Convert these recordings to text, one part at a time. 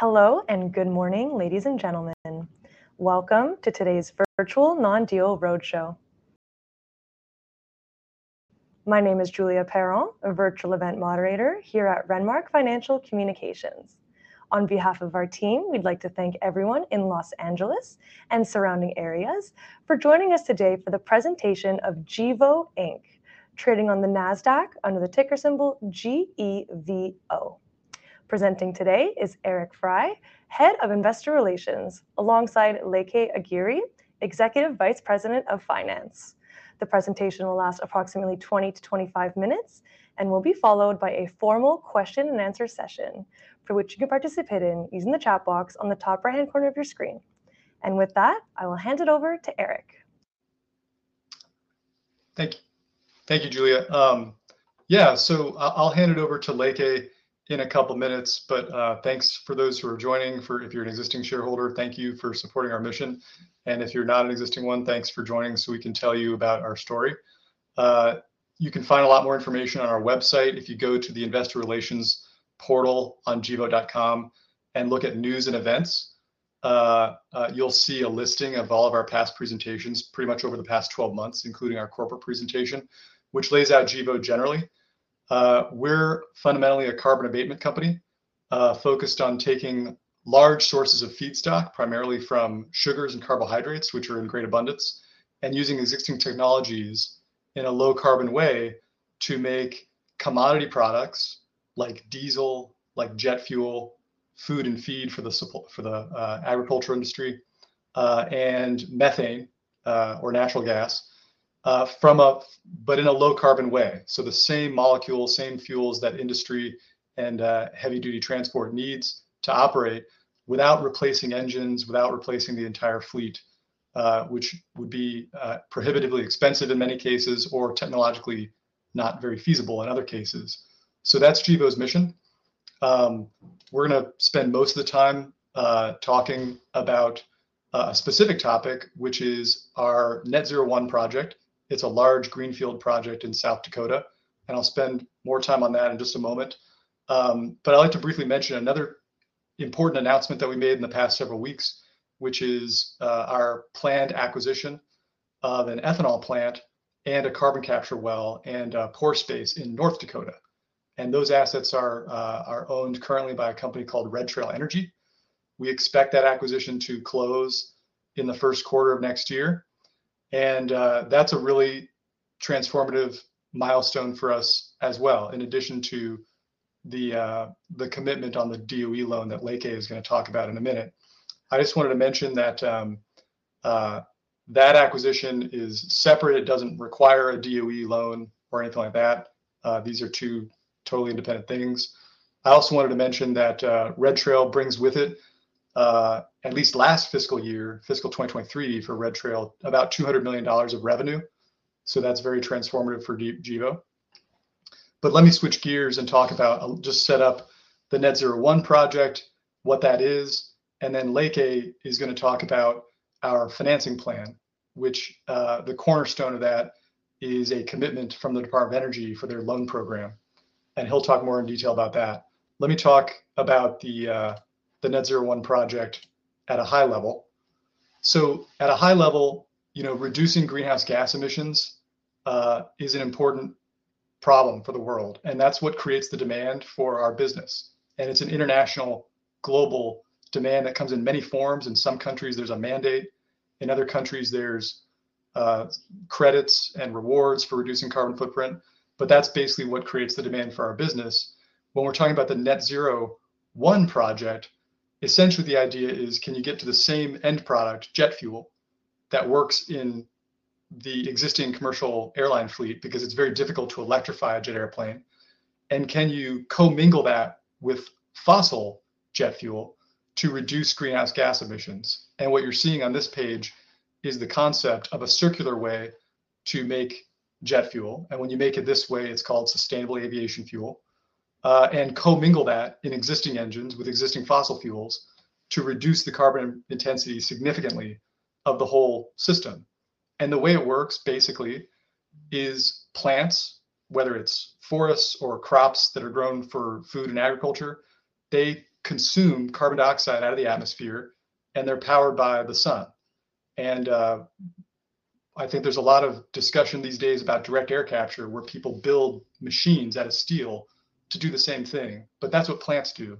Hello and good morning, ladies and gentlemen. Welcome to today's virtual non-deal roadshow. My name is Julia Perron, a virtual event moderator here at Renmark Financial Communications. On behalf of our team, we'd like to thank everyone in Los Angeles and surrounding areas for joining us today for the presentation of Gevo Inc., trading on the NASDAQ under the ticker symbol GEVO. Presenting today is Eric Frey, Head of Investor Relations, alongside Leke Aderibigbe, Executive Vice President of Finance. The presentation will last approximately 20 to 25 minutes and will be followed by a formal question-and-answer session for which you can participate in using the chat box on the top right-hand corner of your screen. And with that, I will hand it over to Eric. Thank you. Thank you, Julia. Yeah, so I'll hand it over to Leke in a couple of minutes, but thanks for those who are joining. If you're an existing shareholder, thank you for supporting our mission, and if you're not an existing one, thanks for joining so we can tell you about our story. You can find a lot more information on our website if you go to the Investor Relations portal on gevo.com and look at news and events. You'll see a listing of all of our past presentations pretty much over the past 12 months, including our corporate presentation, which lays out Gevo generally. We're fundamentally a carbon abatement company focused on taking large sources of feedstock, primarily from sugars and carbohydrates, which are in great abundance, and using existing technologies in a low-carbon way to make commodity products like diesel, like jet fuel, food and feed for the agriculture industry, and methane or natural gas, but in a low-carbon way. So the same molecules, same fuels that industry and heavy-duty transport needs to operate without replacing engines, without replacing the entire fleet, which would be prohibitively expensive in many cases or technologically not very feasible in other cases. So that's Gevo's mission. We're going to spend most of the time talking about a specific topic, which is our Net-Zero 1 project. It's a large greenfield project in South Dakota, and I'll spend more time on that in just a moment. But I'd like to briefly mention another important announcement that we made in the past several weeks, which is our planned acquisition of an ethanol plant and a carbon capture well and a pore space in North Dakota. And those assets are owned currently by a company called Red Trail Energy. We expect that acquisition to close in the Q1 of next year. And that's a really transformative milestone for us as well, in addition to the commitment on the DOE loan that Leke is going to talk about in a minute. I just wanted to mention that that acquisition is separate. It doesn't require a DOE loan or anything like that. These are two totally independent things. I also wanted to mention that Red Trail brings with it, at least last fiscal year, fiscal 2023 for Red Trail, about $200 million of revenue. So that's very transformative for Gevo. But let me switch gears and talk about, just set up the Net-Zero 1 project, what that is, and then Leke is going to talk about our financing plan, which the cornerstone of that is a commitment from the Department of Energy for their loan program. And he'll talk more in detail about that. Let me talk about the Net-Zero 1 project at a high level. So at a high level, reducing greenhouse gas emissions is an important problem for the world, and that's what creates the demand for our business. And it's an international, global demand that comes in many forms. In some countries, there's a mandate. In other countries, there's credits and rewards for reducing carbon footprint. But that's basically what creates the demand for our business. When we're talking about the Net-Zero 1 project, essentially the idea is, can you get to the same end product, jet fuel, that works in the existing commercial airline fleet because it's very difficult to electrify a jet airplane? And can you co-mingle that with fossil jet fuel to reduce greenhouse gas emissions? And what you're seeing on this page is the concept of a circular way to make jet fuel. And when you make it this way, it's called sustainable aviation fuel. And co-mingle that in existing engines with existing fossil fuels to reduce the carbon intensity significantly of the whole system. And the way it works basically is plants, whether it's forests or crops that are grown for food and agriculture, they consume carbon dioxide out of the atmosphere and they're powered by the sun. I think there's a lot of discussion these days about direct air capture where people build machines out of steel to do the same thing. But that's what plants do.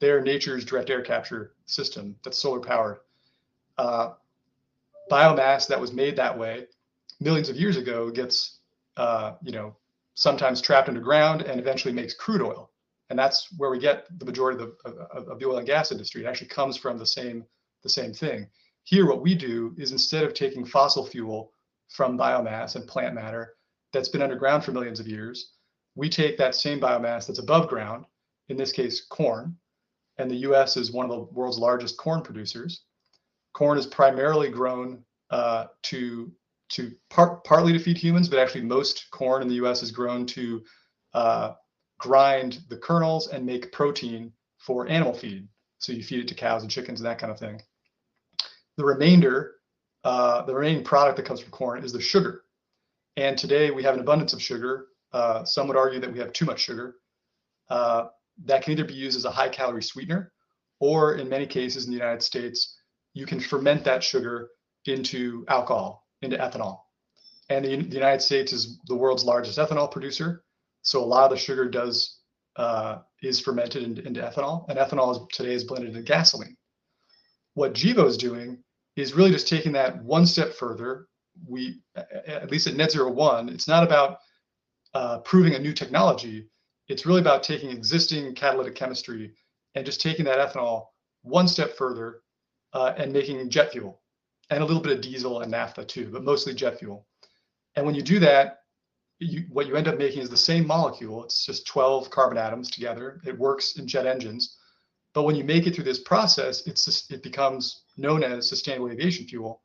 They're nature's direct air capture system that's solar powered. Biomass that was made that way millions of years ago gets sometimes trapped underground and eventually makes crude oil. And that's where we get the majority of the oil and gas industry. It actually comes from the same thing. Here, what we do is instead of taking fossil fuel from biomass and plant matter that's been underground for millions of years, we take that same biomass that's above ground, in this case, corn. And the U.S. is one of the world's largest corn producers. Corn is primarily grown partly to feed humans, but actually most corn in the U.S. is grown to grind the kernels and make protein for animal feed. So you feed it to cows and chickens and that kind of thing. The remaining product that comes from corn is the sugar. And today we have an abundance of sugar. Some would argue that we have too much sugar. That can either be used as a high-calorie sweetener, or in many cases in the United States, you can ferment that sugar into alcohol, into ethanol. And the United States is the world's largest ethanol producer. So a lot of the sugar is fermented into ethanol. And ethanol today is blended into gasoline. What Gevo is doing is really just taking that one step further. At least at Net-Zero 1, it's not about proving a new technology. It's really about taking existing catalytic chemistry and just taking that ethanol one step further and making jet fuel and a little bit of diesel and naphtha too, but mostly jet fuel. And when you do that, what you end up making is the same molecule. It's just 12 carbon atoms together. It works in jet engines. But when you make it through this process, it becomes known as sustainable aviation fuel.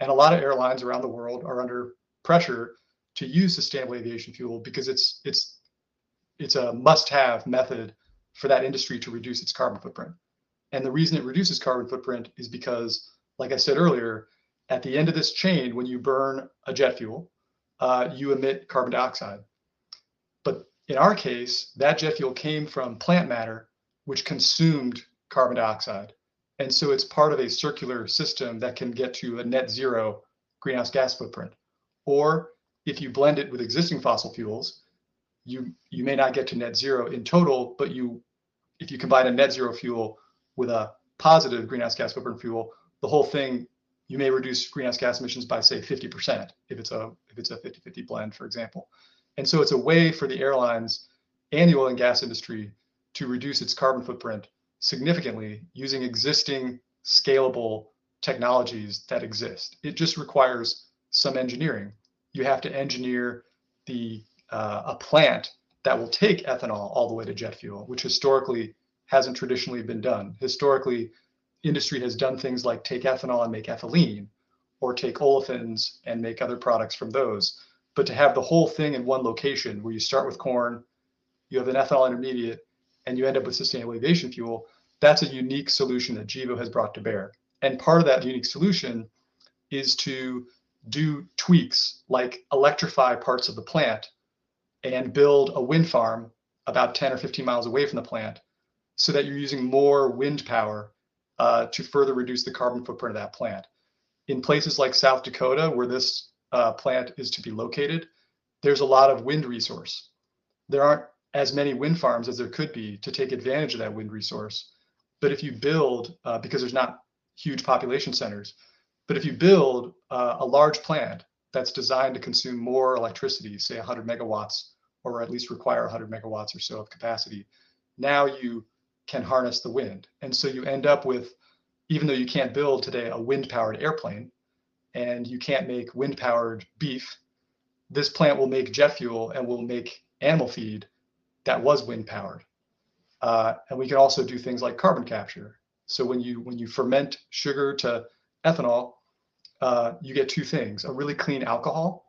And a lot of airlines around the world are under pressure to use sustainable aviation fuel because it's a must-have method for that industry to reduce its carbon footprint. And the reason it reduces carbon footprint is because, like I said earlier, at the end of this chain, when you burn a jet fuel, you emit carbon dioxide. But in our case, that jet fuel came from plant matter, which consumed carbon dioxide. And so it's part of a circular system that can get to a net zero greenhouse gas footprint. Or if you blend it with existing fossil fuels, you may not get to net zero in total, but if you combine a net zero fuel with a positive greenhouse gas footprint fuel, the whole thing, you may reduce greenhouse gas emissions by, say, 50% if it's a 50/50 blend, for example. And so it's a way for the airlines and natural gas industry to reduce its carbon footprint significantly using existing scalable technologies that exist. It just requires some engineering. You have to engineer a plant that will take ethanol all the way to jet fuel, which historically hasn't traditionally been done. Historically, industry has done things like take ethanol and make ethylene or take olefins and make other products from those. But to have the whole thing in one location where you start with corn, you have an ethanol intermediate, and you end up with sustainable aviation fuel, that's a unique solution that Gevo has brought to bear. And part of that unique solution is to do tweaks, like electrify parts of the plant and build a wind farm about 10 or 15 miles away from the plant so that you're using more wind power to further reduce the carbon footprint of that plant. In places like South Dakota, where this plant is to be located, there's a lot of wind resource. There aren't as many wind farms as there could be to take advantage of that wind resource. But if you build, because there's not huge population centers, but if you build a large plant that's designed to consume more electricity, say 100 megawatts or at least require 100 megawatts or so of capacity, now you can harness the wind. And so you end up with, even though you can't build today a wind-powered airplane and you can't make wind-powered beef, this plant will make jet fuel and will make animal feed that was wind-powered. And we can also do things like carbon capture. So when you ferment sugar to ethanol, you get two things: a really clean alcohol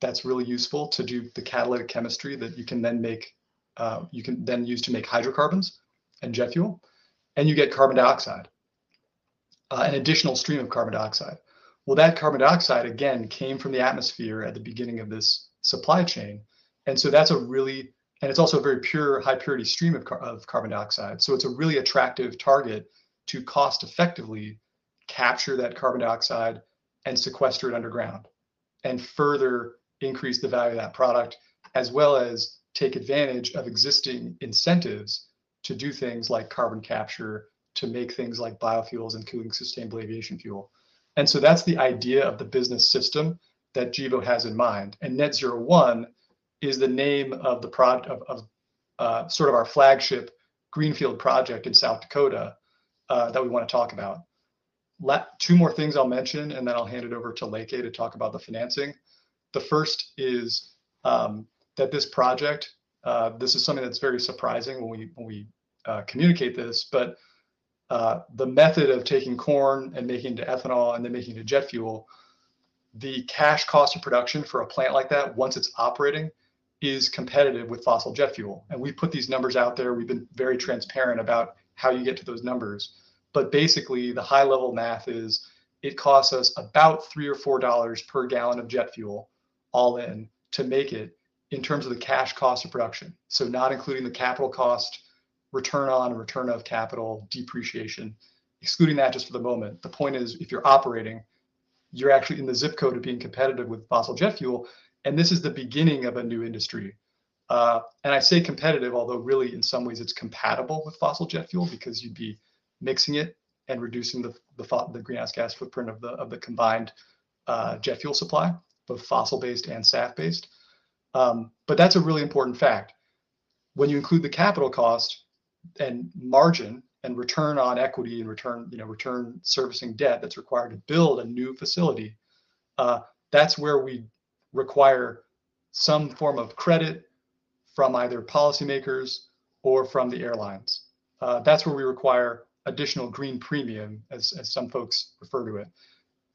that's really useful to do the catalytic chemistry that you can then use to make hydrocarbons and jet fuel, and you get carbon dioxide, an additional stream of carbon dioxide. Well, that carbon dioxide, again, came from the atmosphere at the beginning of this supply chain. And so that's really, and it's also a very pure, high-purity stream of carbon dioxide. So it's a really attractive target to cost-effectively capture that carbon dioxide and sequester it underground and further increase the value of that product, as well as take advantage of existing incentives to do things like carbon capture to make things like biofuels and producing sustainable aviation fuel. And so that's the idea of the business system that Gevo has in mind. And Net-Zero 1 is the name of sort of our flagship greenfield project in South Dakota that we want to talk about. Two more things I'll mention, and then I'll hand it over to Leke to talk about the financing. The first is that this project. This is something that's very surprising when we communicate this, but the method of taking corn and making it into ethanol and then making it into jet fuel, the cash cost of production for a plant like that, once it's operating, is competitive with fossil jet fuel. And we've put these numbers out there. We've been very transparent about how you get to those numbers. But basically, the high-level math is it costs us about $3 or $4 per gallon of jet fuel all in to make it in terms of the cash cost of production. So not including the capital cost, return on return of capital, depreciation, excluding that just for the moment. The point is, if you're operating, you're actually in the zip code of being competitive with fossil jet fuel. And this is the beginning of a new industry. I say competitive, although really in some ways it's compatible with fossil jet fuel because you'd be mixing it and reducing the greenhouse gas footprint of the combined jet fuel supply, both fossil-based and SAF-based. But that's a really important fact. When you include the capital cost and margin and return on equity and return servicing debt that's required to build a new facility, that's where we require some form of credit from either policymakers or from the airlines. That's where we require additional green premium, as some folks refer to it.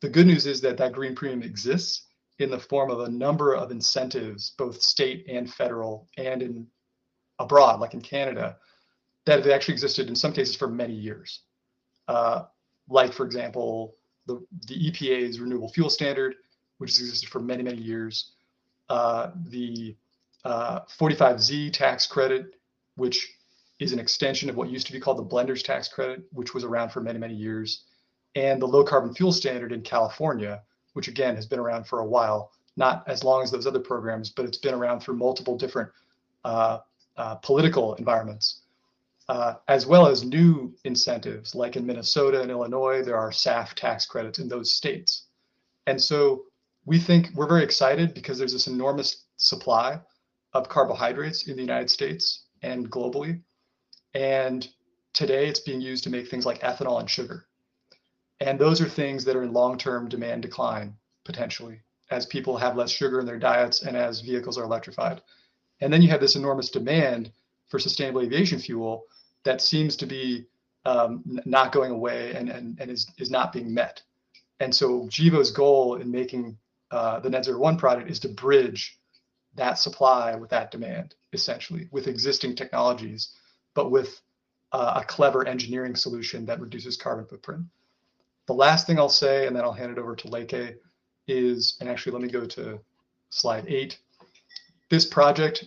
The good news is that that green premium exists in the form of a number of incentives, both state and federal and abroad, like in Canada, that have actually existed in some cases for many years. Like, for example, the EPA's Renewable Fuel Standard, which has existed for many, many years, the 45Z tax credit, which is an extension of what used to be called the Blender's Tax Credit, which was around for many, many years, and the Low Carbon Fuel Standard in California, which again has been around for a while, not as long as those other programs, but it's been around through multiple different political environments, as well as new incentives. Like in Minnesota and Illinois, there are SAF tax credits in those states. And so we think we're very excited because there's this enormous supply of carbohydrates in the United States and globally. And today it's being used to make things like ethanol and sugar. And those are things that are in long-term demand decline, potentially, as people have less sugar in their diets and as vehicles are electrified. And then you have this enormous demand for sustainable aviation fuel that seems to be not going away and is not being met. And so Gevo's goal in making the Net-Zero 1 product is to bridge that supply with that demand, essentially, with existing technologies, but with a clever engineering solution that reduces carbon footprint. The last thing I'll say, and then I'll hand it over to Leke, is, and actually, let me go to slide eight. This project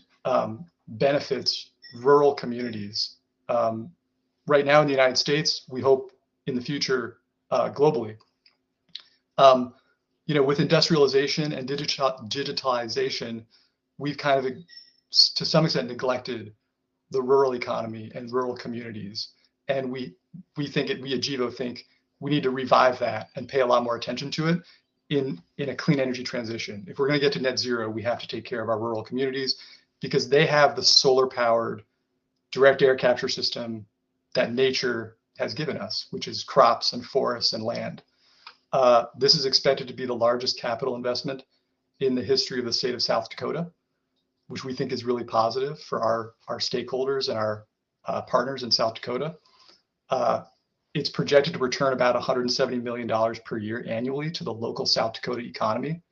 benefits rural communities right now in the United States, we hope in the future globally. With industrialization and digitalization, we've kind of, to some extent, neglected the rural economy and rural communities. And we think at Gevo we need to revive that and pay a lot more attention to it in a clean energy transition. If we're going to get to net zero, we have to take care of our rural communities because they have the solar-powered direct air capture system that nature has given us, which is crops and forests and land. This is expected to be the largest capital investment in the history of the state of South Dakota, which we think is really positive for our stakeholders and our partners in South Dakota. It's projected to return about $170 million per year annually to the local South Dakota economy,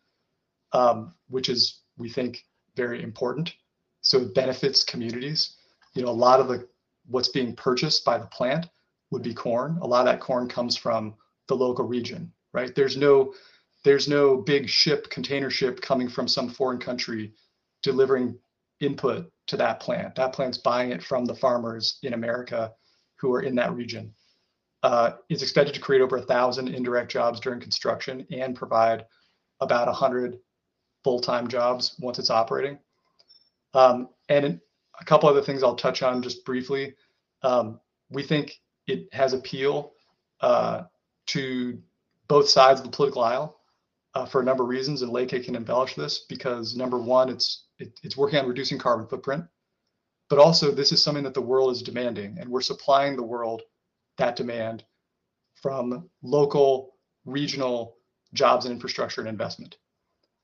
which is, we think, very important. So it benefits communities. A lot of what's being purchased by the plant would be corn. A lot of that corn comes from the local region. There's no big ship, container ship coming from some foreign country delivering input to that plant. That plant's buying it from the farmers in America who are in that region. It's expected to create over 1,000 indirect jobs during construction and provide about 100 full-time jobs once it's operating, and a couple of other things I'll touch on just briefly. We think it has appeal to both sides of the political aisle for a number of reasons, and Leke can embellish this because, number one, it's working on reducing carbon footprint. But also, this is something that the world is demanding, and we're supplying the world that demand from local, regional jobs and infrastructure and investment.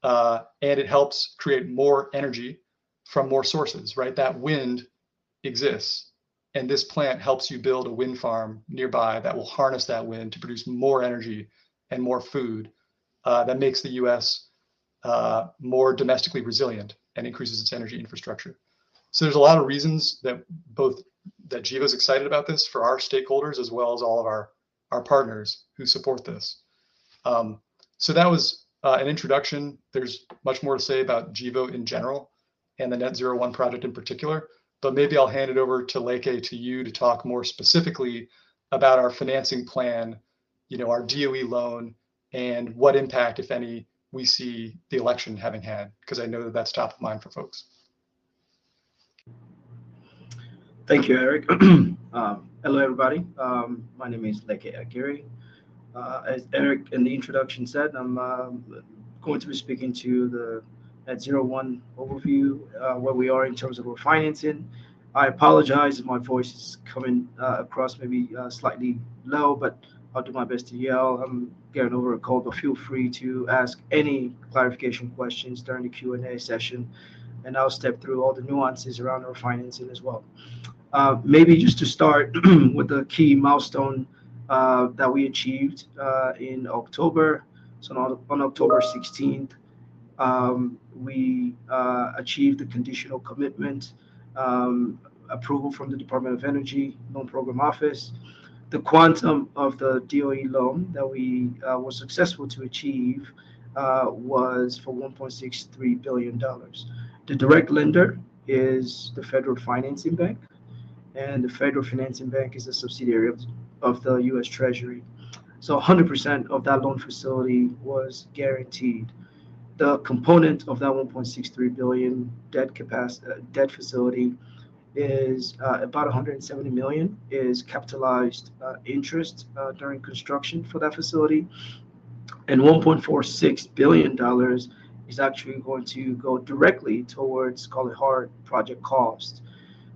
And it helps create more energy from more sources. That wind exists, and this plant helps you build a wind farm nearby that will harness that wind to produce more energy and more food that makes the U.S. more domestically resilient and increases its energy infrastructure. So there's a lot of reasons that Gevo is excited about this for our stakeholders as well as all of our partners who support this. So that was an introduction. There's much more to say about Gevo in general and the Net-Zero 1 project in particular. But maybe I'll hand it over to Leke, to you, to talk more specifically about our financing plan, our DOE loan, and what impact, if any, we see the election having had, because I know that that's top of mind for folks. Thank you, Eric. Hello, everybody. My name is Leke Aderibigbe. As Eric in the introduction said, I'm going to be speaking to the Net-Zero 1 overview, where we are in terms of refinancing. I apologize if my voice is coming across maybe slightly low, but I'll do my best to yell. I'm getting over a cold, but feel free to ask any clarification questions during the Q&A session, and I'll step through all the nuances around refinancing as well. Maybe just to start with the key milestone that we achieved in October. So on October 16th, we achieved the conditional commitment approval from the Department of Energy Loan Program Office. The quantum of the DOE loan that we were successful to achieve was for $1.63 billion. The direct lender is the Federal Financing Bank, and the Federal Financing Bank is a subsidiary of the U.S. Treasury. 100% of that loan facility was guaranteed. The component of that $1.63 billion debt facility is about $170 million capitalized interest during construction for that facility. $1.46 billion is actually going to go directly towards Net-Zero 1 project cost.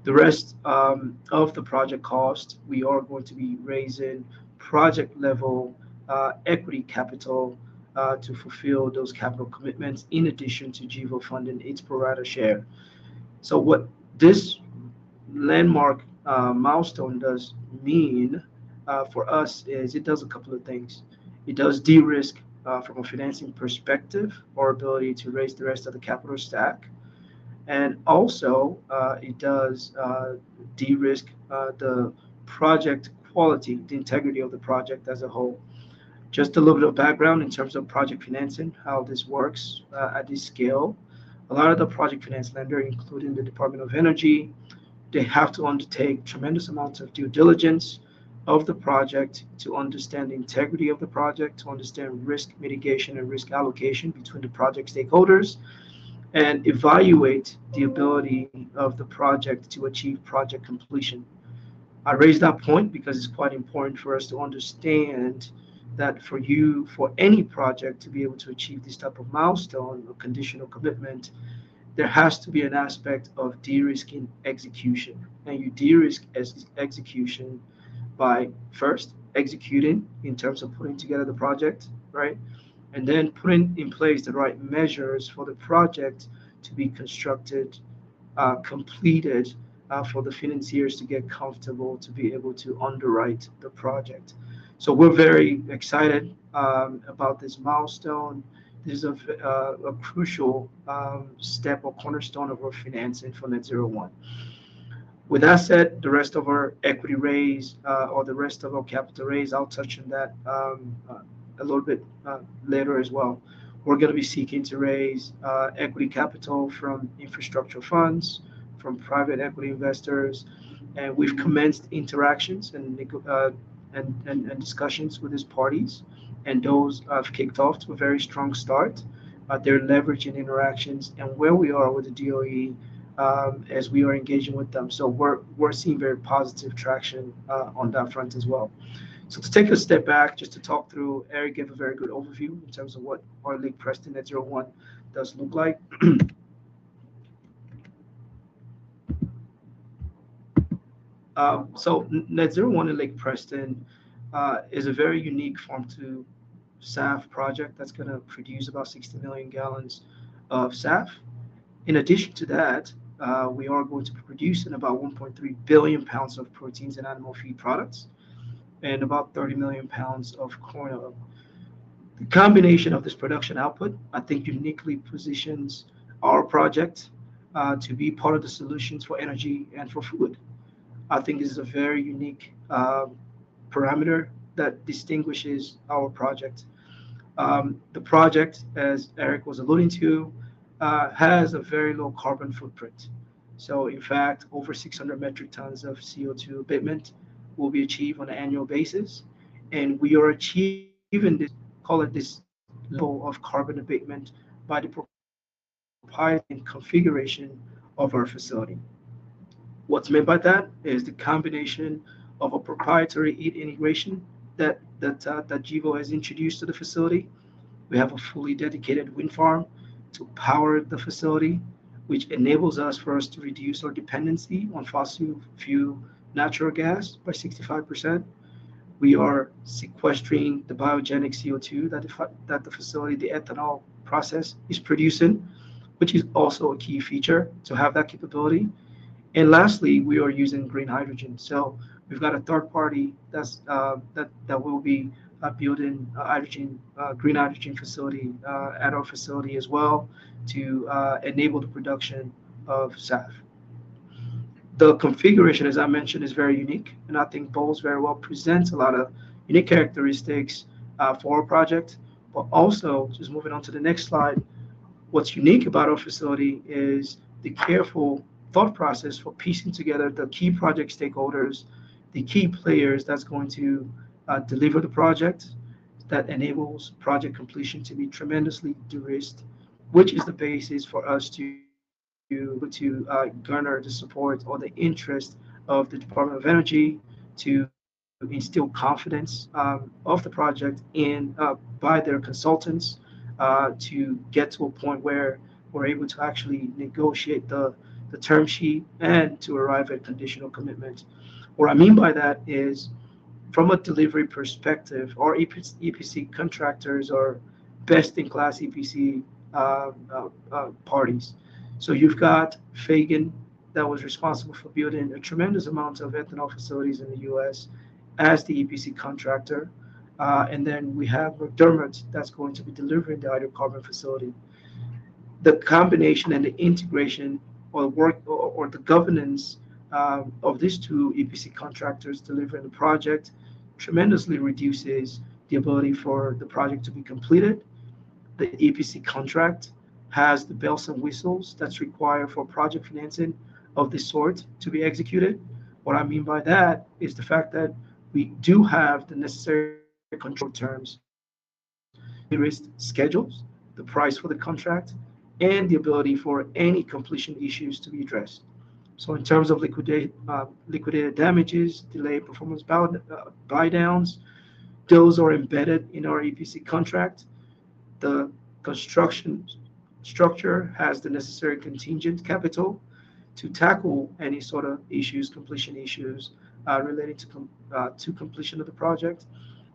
The rest of the project cost, we are going to be raising project-level equity capital to fulfill those capital commitments in addition to Gevo funding its pro rata share. What this landmark milestone does mean for us is it does a couple of things. It does de-risk from a financing perspective our ability to raise the rest of the capital stack. It does de-risk the project quality, the integrity of the project as a whole. Just a little bit of background in terms of project financing, how this works at this scale. A lot of the project finance lender, including the Department of Energy, they have to undertake tremendous amounts of due diligence of the project to understand the integrity of the project, to understand risk mitigation and risk allocation between the project stakeholders, and evaluate the ability of the project to achieve project completion. I raise that point because it's quite important for us to understand that for you, for any project to be able to achieve this type of milestone or conditional commitment, there has to be an aspect of de-risking execution. And you de-risk execution by first executing in terms of putting together the project, and then putting in place the right measures for the project to be constructed, completed for the financiers to get comfortable to be able to underwrite the project. So we're very excited about this milestone. This is a crucial step or cornerstone of our financing for Net-Zero 1. With that said, the rest of our equity raise or the rest of our capital raise, I'll touch on that a little bit later as well. We're going to be seeking to raise equity capital from infrastructure funds from private equity investors and we've commenced interactions and discussions with these parties, and those have kicked off to a very strong start. They're leveraging interactions and where we are with the DOE as we are engaging with them, so we're seeing very positive traction on that front as well, so to take a step back, just to talk through, Eric gave a very good overview in terms of what Lake Preston Net-Zero 1 does look like. Net-Zero 1 at Lake Preston is a very unique farm-to-SAF project that's going to produce about 60 million gallons of SAF. In addition to that, we are going to produce in about 1.3 billion pounds of proteins and animal feed products and about 30 million pounds of corn oil. The combination of this production output, I think, uniquely positions our project to be part of the solutions for energy and for food. I think this is a very unique parameter that distinguishes our project. The project, as Eric was alluding to, has a very low carbon footprint. So, in fact, over 600 metric tons of CO2 abatement will be achieved on an annual basis. And we are achieving this, call it this level of carbon abatement by the proprietary configuration of our facility. What's meant by that is the combination of a proprietary heat integration that Gevo has introduced to the facility. We have a fully dedicated wind farm to power the facility, which enables us first to reduce our dependency on fossil fuel natural gas by 65%. We are sequestering the biogenic CO2 that the facility, the ethanol process, is producing, which is also a key feature to have that capability. Lastly, we are using green hydrogen. We've got a third party that will be building a green hydrogen facility at our facility as well to enable the production of SAF. The configuration, as I mentioned, is very unique. I think bodes very well presents a lot of unique characteristics for our project. But also, just moving on to the next slide, what's unique about our facility is the careful thought process for piecing together the key project stakeholders, the key players that's going to deliver the project that enables project completion to be tremendously de-risked, which is the basis for us to garner the support or the interest of the Department of Energy to instill confidence of the project by their consultants to get to a point where we're able to actually negotiate the term sheet and to arrive at conditional commitment. What I mean by that is, from a delivery perspective, our EPC contractors are best-in-class EPC parties. So you've got Fagen that was responsible for building a tremendous amount of ethanol facilities in the U.S. as the EPC contractor. And then we have McDermott that's going to be delivering the hydrocarbon facility. The combination and the integration or the governance of these two EPC contractors delivering the project tremendously reduces the ability for the project to be completed. The EPC contract has the bells and whistles that's required for project financing of this sort to be executed. What I mean by that is the fact that we do have the necessary control terms, the risk schedules, the price for the contract, and the ability for any completion issues to be addressed. So in terms of liquidated damages, delayed performance buy-downs, those are embedded in our EPC contract. The construction structure has the necessary contingent capital to tackle any sort of issues, completion issues related to completion of the project.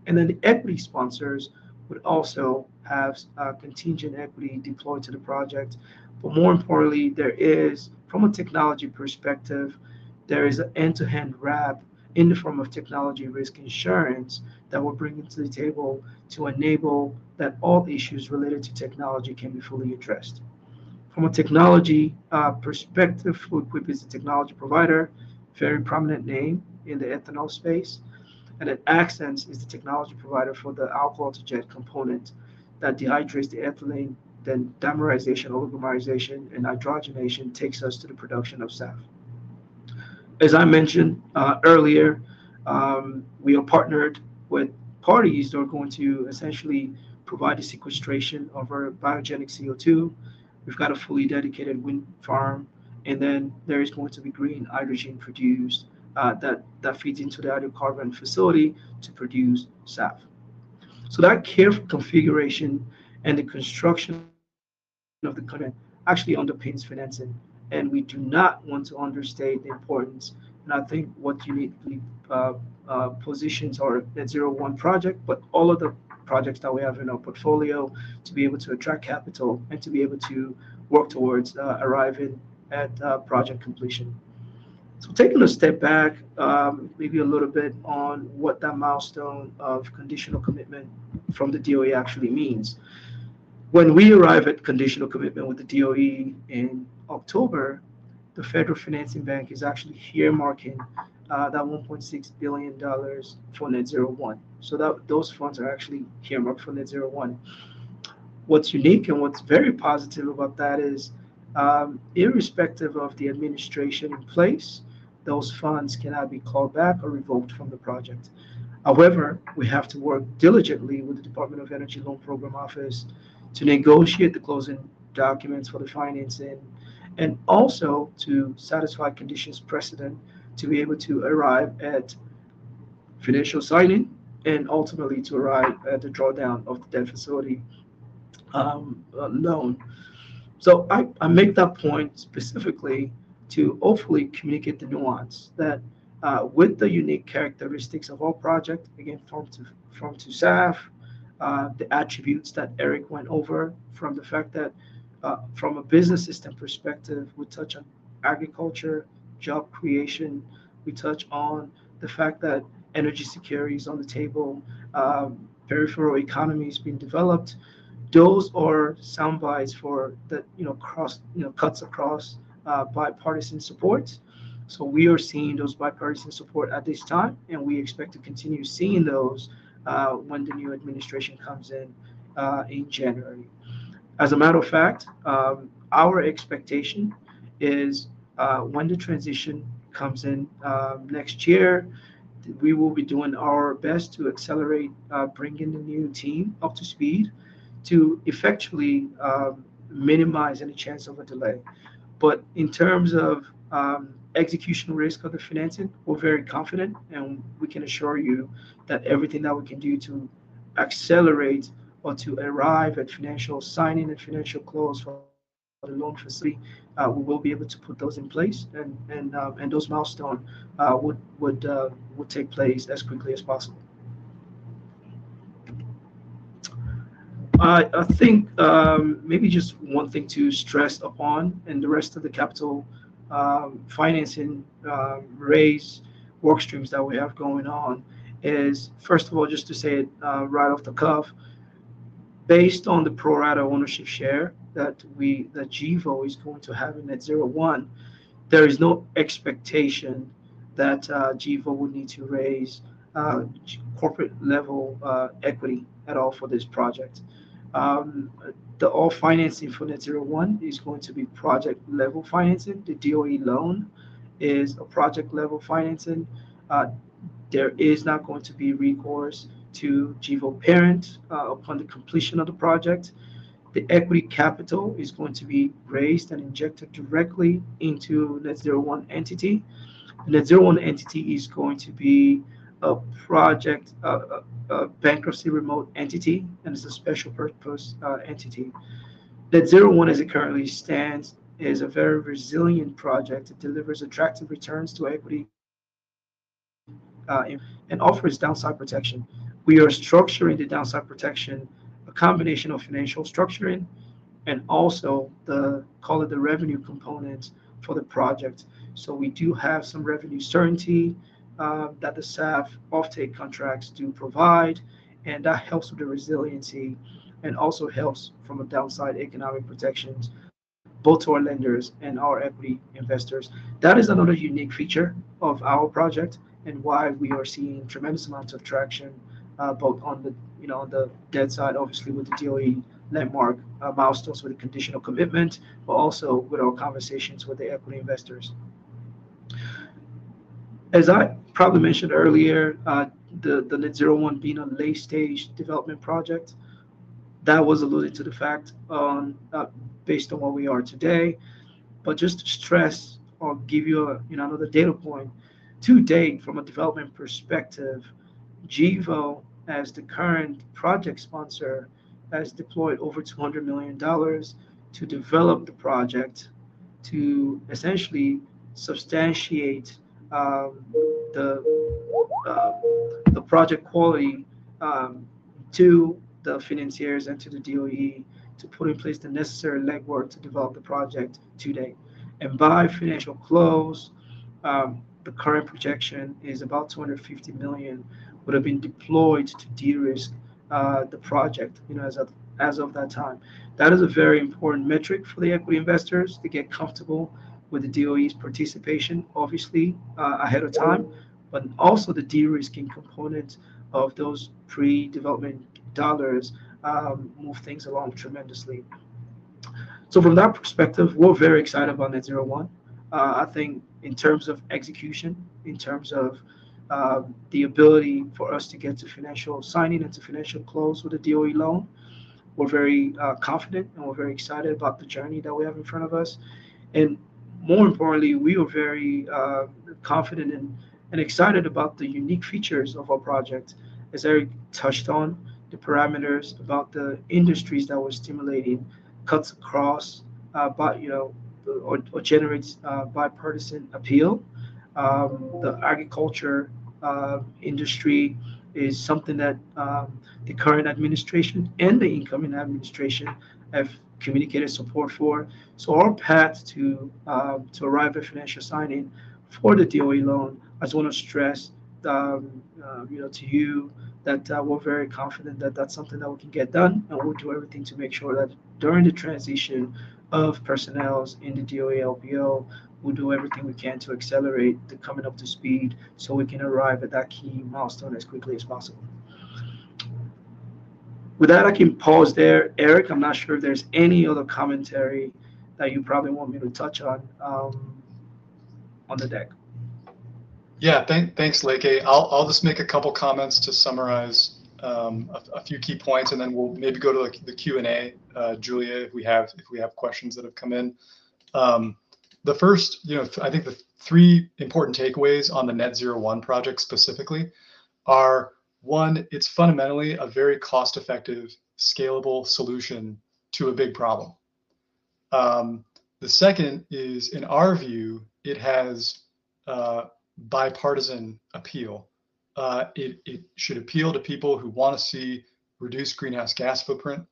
And then the equity sponsors would also have contingent equity deployed to the project. But more importantly, from a technology perspective, there is an end-to-end wrap in the form of technology risk insurance that we're bringing to the table to enable that all issues related to technology can be fully addressed. From a technology perspective, Fluid Quip is a technology provider, very prominent name in the ethanol space, and Axens is the technology provider for the alcohol-to-jet component that dehydrates the ethanol, then dimerization, oligomerization, and hydrogenation takes us to the production of SAF. As I mentioned earlier, we are partnered with parties that are going to essentially provide the sequestration of our biogenic CO2. We've got a fully dedicated wind farm, and then there is going to be green hydrogen produced that feeds into the hydrocarbon facility to produce SAF, so that configuration and the construction of the current actually underpins financing, and we do not want to understate the importance. I think what uniquely positions our Net-Zero 1 project, but all of the projects that we have in our portfolio to be able to attract capital and to be able to work towards arriving at project completion. Taking a step back, maybe a little bit on what that milestone of conditional commitment from the DOE actually means. When we arrive at conditional commitment with the DOE in October, the Federal Financing Bank is actually earmarking that $1.6 billion for Net-Zero 1. Those funds are actually earmarked for Net-Zero 1. What's unique and what's very positive about that is, irrespective of the administration in place, those funds cannot be called back or revoked from the project. However, we have to work diligently with the Department of Energy Loan Program Office to negotiate the closing documents for the financing and also to satisfy conditions precedent to be able to arrive at financial signing and ultimately to arrive at the drawdown of the debt facility loan. I make that point specifically to hopefully communicate the nuance that with the unique characteristics of our project, again, from ATJ to SAF, the attributes that Eric went over from the fact that from a business system perspective, we touch on agriculture, job creation. We touch on the fact that energy security is on the table, peripheral economy is being developed. Those are soundbites for that cuts across bipartisan support. We are seeing those bipartisan support at this time, and we expect to continue seeing those when the new administration comes in in January. As a matter of fact, our expectation is when the transition comes in next year, we will be doing our best to accelerate bringing the new team up to speed to effectively minimize any chance of a delay, but in terms of execution risk of the financing, we're very confident, and we can assure you that everything that we can do to accelerate or to arrive at financial signing and financial close for the loan facility, we will be able to put those in place, and those milestones would take place as quickly as possible. I think maybe just one thing to stress upon in the rest of the capital financing raise workstreams that we have going on is, first of all, just to say it right off the cuff, based on the preferred ownership share that Gevo is going to have in Net-Zero 1, there is no expectation that Gevo will need to raise corporate-level equity at all for this project. All financing for Net-Zero 1 is going to be project-level financing. The DOE loan is a project-level financing. There is not going to be recourse to Gevo parent upon the completion of the project. The equity capital is going to be raised and injected directly into Net-Zero 1 entity. Net-Zero 1 entity is going to be a project bankruptcy remote entity, and it's a special purpose entity. Net-Zero 1, as it currently stands, is a very resilient project that delivers attractive returns to equity and offers downside protection. We are structuring the downside protection, a combination of financial structuring and also, call it the revenue component for the project, so we do have some revenue certainty that the SAF offtake contracts do provide, and that helps with the resiliency and also helps from a downside economic protection both to our lenders and our equity investors. That is another unique feature of our project and why we are seeing tremendous amounts of traction both on the debt side, obviously, with the DOE landmark milestones with the conditional commitment, but also with our conversations with the equity investors. As I probably mentioned earlier, the Net-Zero 1 being a late-stage development project, that was alluded to the fact based on where we are today. But just to stress or give you another data point, to date, from a development perspective, Gevo, as the current project sponsor, has deployed over $200 million to develop the project to essentially substantiate the project quality to the financiers and to the DOE to put in place the necessary legwork to develop the project to date. And by financial close, the current projection is about $250 million would have been deployed to de-risk the project as of that time. That is a very important metric for the equity investors to get comfortable with the DOE's participation, obviously, ahead of time. But also the de-risking component of those pre-development dollars moves things along tremendously. So from that perspective, we're very excited about Net-Zero 1. I think in terms of execution, in terms of the ability for us to get to financial signing and to financial close with the DOE loan, we're very confident and we're very excited about the journey that we have in front of us, and more importantly, we are very confident and excited about the unique features of our project, as Eric touched on, the parameters about the industries that we're stimulating, cuts across or generates bipartisan appeal. The agriculture industry is something that the current administration and the incoming administration have communicated support for, so our path to arrive at financial signing for the DOE loan, I just want to stress to you that we're very confident that that's something that we can get done. And we'll do everything to make sure that during the transition of personnel in the DOE LPO, we'll do everything we can to accelerate the coming up to speed so we can arrive at that key milestone as quickly as possible. With that, I can pause there. Eric, I'm not sure if there's any other commentary that you probably want me to touch on the deck. Yeah. Thanks, Leke. I'll just make a couple of comments to summarize a few key points, and then we'll maybe go to the Q&A, Julia, if we have questions that have come in. The first, I think the three important takeaways on the Net-Zero 1 project specifically are, one, it's fundamentally a very cost-effective, scalable solution to a big problem. The second is, in our view, it has bipartisan appeal. It should appeal to people who want to see reduced greenhouse gas footprint,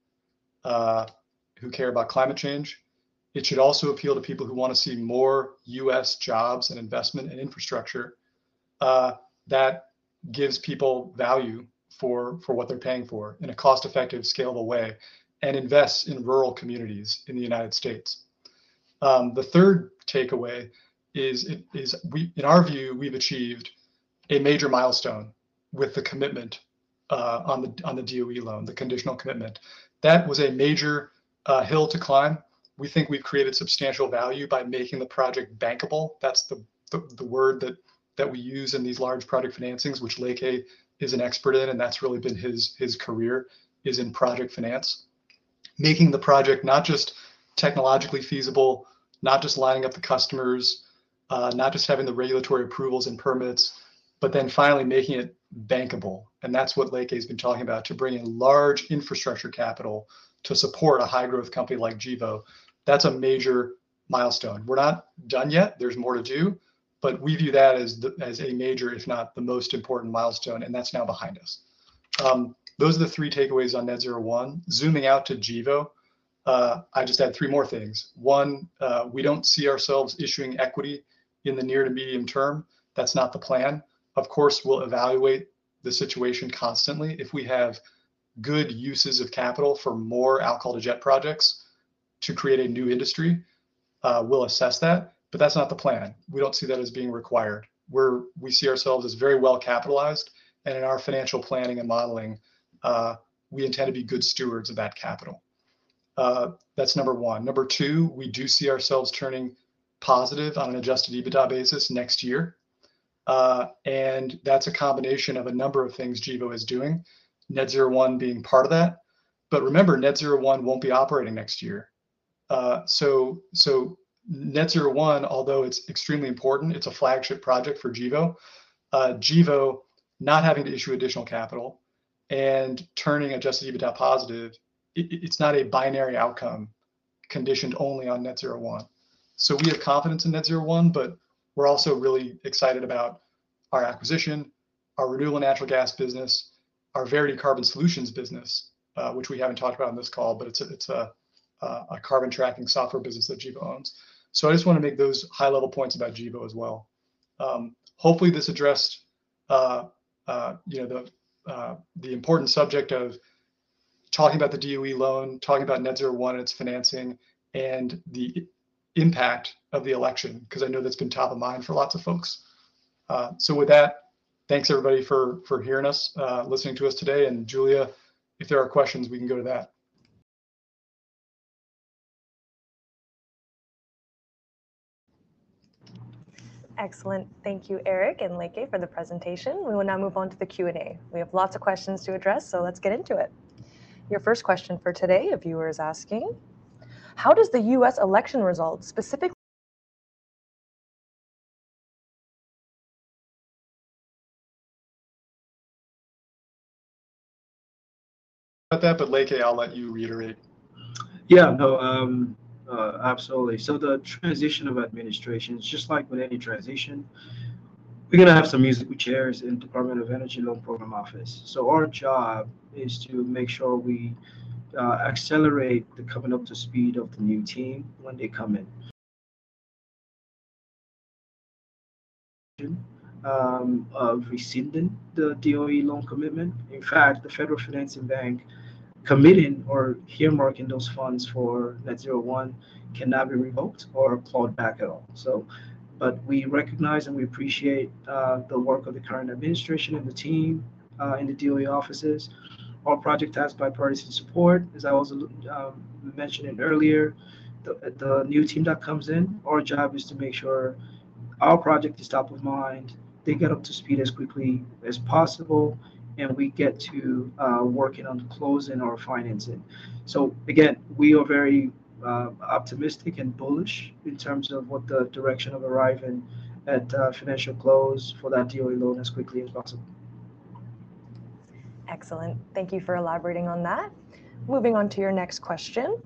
who care about climate change. It should also appeal to people who want to see more U.S. jobs and investment and infrastructure that gives people value for what they're paying for in a cost-effective, scalable way and invests in rural communities in the United States. The third takeaway is, in our view, we've achieved a major milestone with the commitment on the DOE loan, the conditional commitment. That was a major hill to climb. We think we've created substantial value by making the project bankable. That's the word that we use in these large project financings, which Leke is an expert in, and that's really been his career is in project finance. Making the project not just technologically feasible, not just lining up the customers, not just having the regulatory approvals and permits, but then finally making it bankable, and that's what Leke has been talking about, to bring in large infrastructure capital to support a high-growth company like Gevo. That's a major milestone. We're not done yet. There's more to do, but we view that as a major, if not the most important milestone, and that's now behind us. Those are the three takeaways on Net-Zero 1. Zooming out to Gevo, I just add three more things. One, we don't see ourselves issuing equity in the near to medium term. That's not the plan. Of course, we'll evaluate the situation constantly. If we have good uses of capital for more alcohol-to-jet projects to create a new industry, we'll assess that. But that's not the plan. We don't see that as being required. We see ourselves as very well capitalized. And in our financial planning and modeling, we intend to be good stewards of that capital. That's number one. Number two, we do see ourselves turning positive on an Adjusted EBITDA basis next year. And that's a combination of a number of things Gevo is doing, Net-Zero 1 being part of that. But remember, Net-Zero 1 won't be operating next year. Net-Zero 1, although it's extremely important, it's a flagship project for Gevo. Gevo not having to issue additional capital and turning Adjusted EBITDA positive, it's not a binary outcome conditioned only on Net-Zero 1. So we have confidence in Net-Zero 1, but we're also really excited about our acquisition, our renewable natural gas business, our Verity Carbon Solutions business, which we haven't talked about on this call, but it's a carbon tracking software business that Gevo owns. So I just want to make those high-level points about Gevo as well. Hopefully, this addressed the important subject of talking about the DOE loan, talking about Net-Zero 1 and its financing, and the impact of the election because I know that's been top of mind for lots of folks. So with that, thanks everybody for hearing us, listening to us today. Julia, if there are questions, we can go to that. Excellent. Thank you, Eric and Leke, for the presentation. We will now move on to the Q&A. We have lots of questions to address, so let's get into it. Your first question for today, a viewer is asking, how does the U.S. election result specifically? Not that, but Leke, I'll let you reiterate. Yeah. No, absolutely. So the transition of administration, just like with any transition, we're going to have some musical chairs in the Department of Energy Loan Program Office. So our job is to make sure we accelerate the coming up to speed of the new team when they come in. Of rescinding the DOE loan commitment. In fact, the Federal Financing Bank committing or earmarking those funds for Net-Zero 1 cannot be revoked or clawed back at all. But we recognize and we appreciate the work of the current administration and the team in the DOE offices. Our project has bipartisan support. As I was mentioning earlier, the new team that comes in, our job is to make sure our project is top of mind, they get up to speed as quickly as possible, and we get to working on closing our financing. So again, we are very optimistic and bullish in terms of what the direction of arriving at financial close for that DOE loan as quickly as possible. Excellent. Thank you for elaborating on that. Moving on to your next question.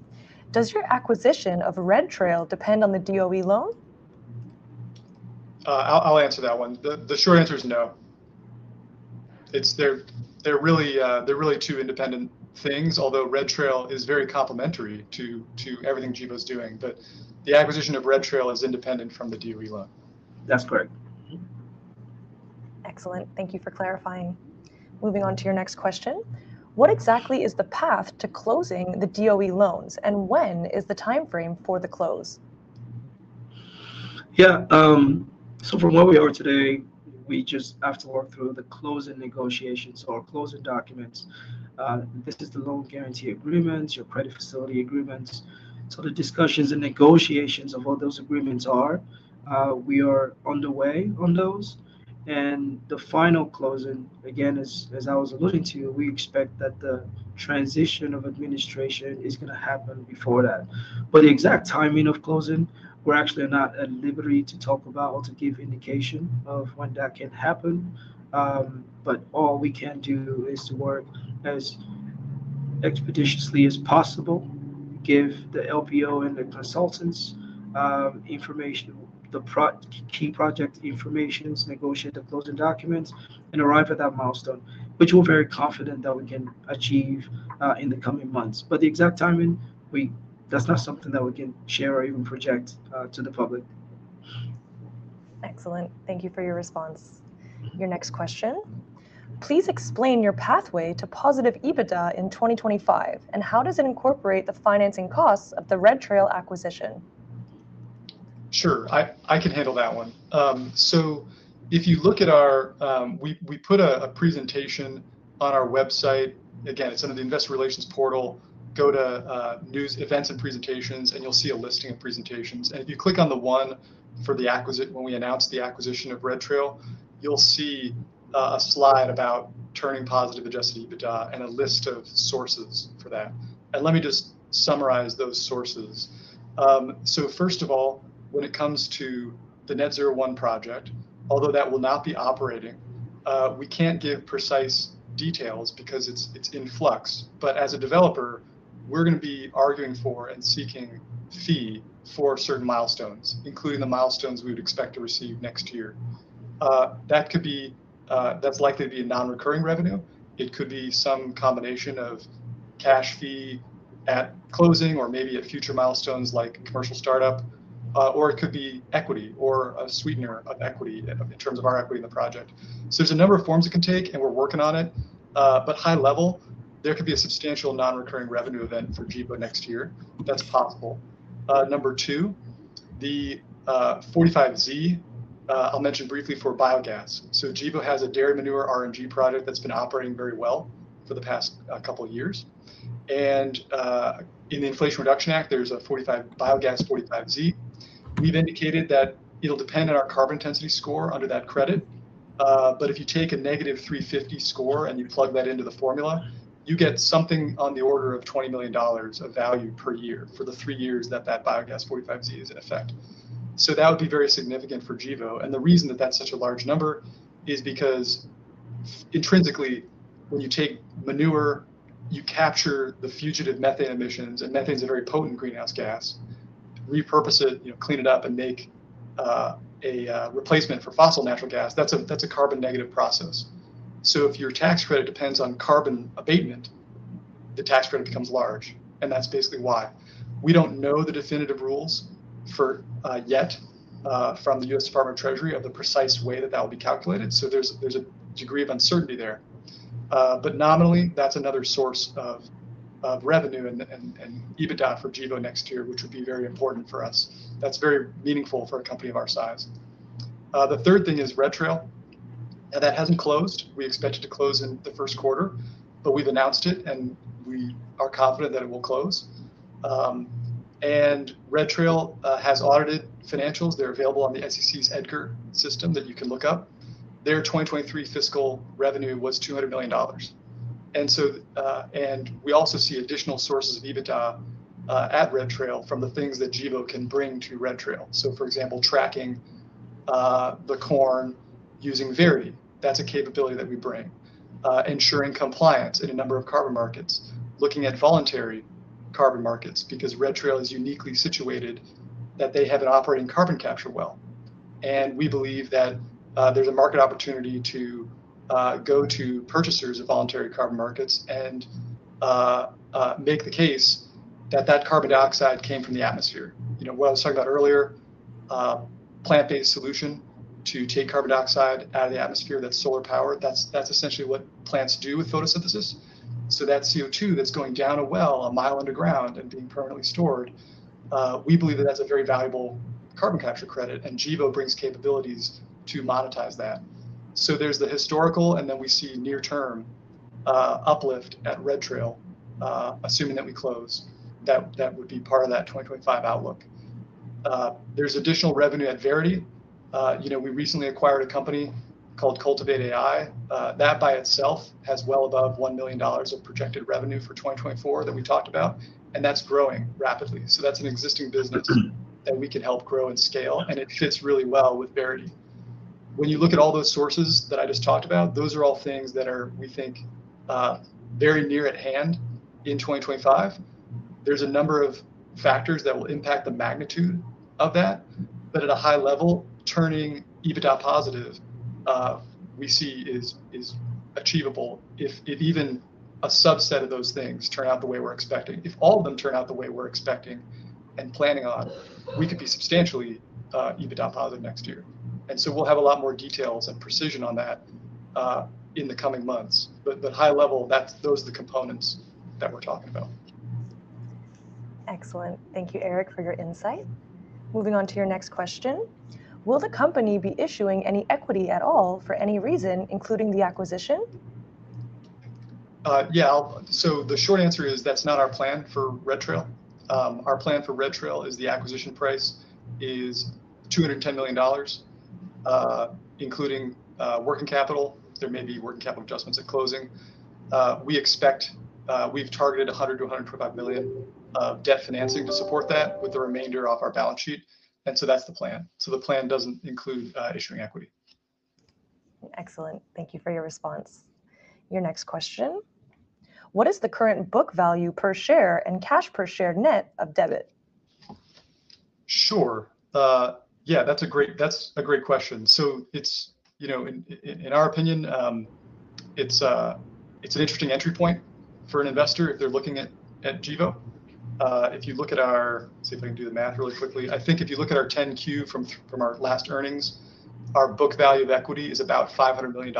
Does your acquisition of Red Trail depend on the DOE loan? I'll answer that one. The short answer is no. They're really two independent things, although Red Trail is very complementary to everything Gevo is doing. But the acquisition of Red Trail is independent from the DOE loan. That's correct. Excellent. Thank you for clarifying. Moving on to your next question. What exactly is the path to closing the DOE loans, and when is the timeframe for the close? Yeah. So from where we are today, we just have to work through the closing negotiations or closing documents. This is the loan guarantee agreements, your credit facility agreements, so the discussions and negotiations of all those agreements are, we are on the way on those, and the final closing, again, as I was alluding to, we expect that the transition of administration is going to happen before that, but the exact timing of closing, we're actually not at liberty to talk about or to give indication of when that can happen, but all we can do is to work as expeditiously as possible, give the LPO and the consultants information, the key project information, negotiate the closing documents, and arrive at that milestone, which we're very confident that we can achieve in the coming months. But the exact timing, that's not something that we can share or even project to the public. Excellent. Thank you for your response. Your next question. Please explain your pathway to positive EBITDA in 2025, and how does it incorporate the financing costs of the Red Trail acquisition? Sure. I can handle that one. So if you look at, we put a presentation on our website. Again, it's under the Investor Relations portal. Go to news, events, and presentations, and you'll see a listing of presentations. And if you click on the one for the acquisition, when we announced the acquisition of Red Trail, you'll see a slide about turning positive Adjusted EBITDA and a list of sources for that. And let me just summarize those sources. So first of all, when it comes to the Net-Zero 1 project, although that will not be operating, we can't give precise details because it's in flux. But as a developer, we're going to be arguing for and seeking fee for certain milestones, including the milestones we would expect to receive next year. That could be. That's likely to be a non-recurring revenue. It could be some combination of cash fee at closing or maybe at future milestones like commercial startup. Or it could be equity or a sweetener of equity in terms of our equity in the project. So there's a number of forms it can take, and we're working on it. But high level, there could be a substantial non-recurring revenue event for Gevo next year. That's possible. Number two, the 45Z, I'll mention briefly for biogas. So Gevo has a dairy manure RNG project that's been operating very well for the past couple of years. And in the Inflation Reduction Act, there's a 45Q, biogas 45Z. We've indicated that it'll depend on our carbon intensity score under that credit. But if you take a negative 350 score and you plug that into the formula, you get something on the order of $20 million of value per year for the three years that that biogas 45Z is in effect. So that would be very significant for Gevo. And the reason that that's such a large number is because intrinsically, when you take manure, you capture the fugitive methane emissions, and methane is a very potent greenhouse gas. Repurpose it, clean it up, and make a replacement for fossil natural gas, that's a carbon negative process. So if your tax credit depends on carbon abatement, the tax credit becomes large. And that's basically why. We don't know the definitive rules yet from the U.S. Department of the Treasury of the precise way that that will be calculated. So there's a degree of uncertainty there. But nominally, that's another source of revenue and EBITDA for Gevo next year, which would be very important for us. That's very meaningful for a company of our size. The third thing is Red Trail. That hasn't closed. We expect it to close in the Q1, but we've announced it, and we are confident that it will close. And Red Trail has audited financials. They're available on the SEC's EDGAR system that you can look up. Their 2023 fiscal revenue was $200 million. And we also see additional sources of EBITDA at Red Trail from the things that Gevo can bring to Red Trail. So for example, tracking the corn using Verity. That's a capability that we bring. Ensuring compliance in a number of carbon markets. Looking at voluntary carbon markets because Red Trail is uniquely situated that they have an operating carbon capture well. And we believe that there's a market opportunity to go to purchasers of voluntary carbon markets and make the case that that carbon dioxide came from the atmosphere. What I was talking about earlier, plant-based solution to take carbon dioxide out of the atmosphere, that's solar power. That's essentially what plants do with photosynthesis. So that CO2 that's going down a well, a mile underground, and being permanently stored, we believe that that's a very valuable carbon capture credit. And Gevo brings capabilities to monetize that. So there's the historical, and then we see near-term uplift at Red Trail, assuming that we close. That would be part of that 2025 outlook. There's additional revenue at Verity. We recently acquired a company called CultivateAI. That by itself has well above $1 million of projected revenue for 2024 that we talked about. And that's growing rapidly. So that's an existing business that we can help grow and scale. And it fits really well with Verity. When you look at all those sources that I just talked about, those are all things that are we think very near at hand in 2025. There's a number of factors that will impact the magnitude of that. But at a high level, turning EBITDA positive, we see is achievable if even a subset of those things turn out the way we're expecting. If all of them turn out the way we're expecting and planning on, we could be substantially EBITDA positive next year. And so we'll have a lot more details and precision on that in the coming months. But high level, those are the components that we're talking about. Excellent. Thank you, Eric, for your insight. Moving on to your next question. Will the company be issuing any equity at all for any reason, including the acquisition? Yeah. So the short answer is that's not our plan for Red Trail. Our plan for Red Trail is the acquisition price is $210 million, including working capital. There may be working capital adjustments at closing. We expect we've targeted $100 million-$125 million of debt financing to support that with the remainder of our balance sheet. And so that's the plan. So the plan doesn't include issuing equity. Excellent. Thank you for your response. Your next question. What is the current book value per share and cash per share net of debt? Sure. Yeah, that's a great question. In our opinion, it's an interesting entry point for an investor if they're looking at Gevo. If you look at our, let's see if I can do the math really quickly. I think if you look at our 10-Q from our last earnings, our book value of equity is about $500 million.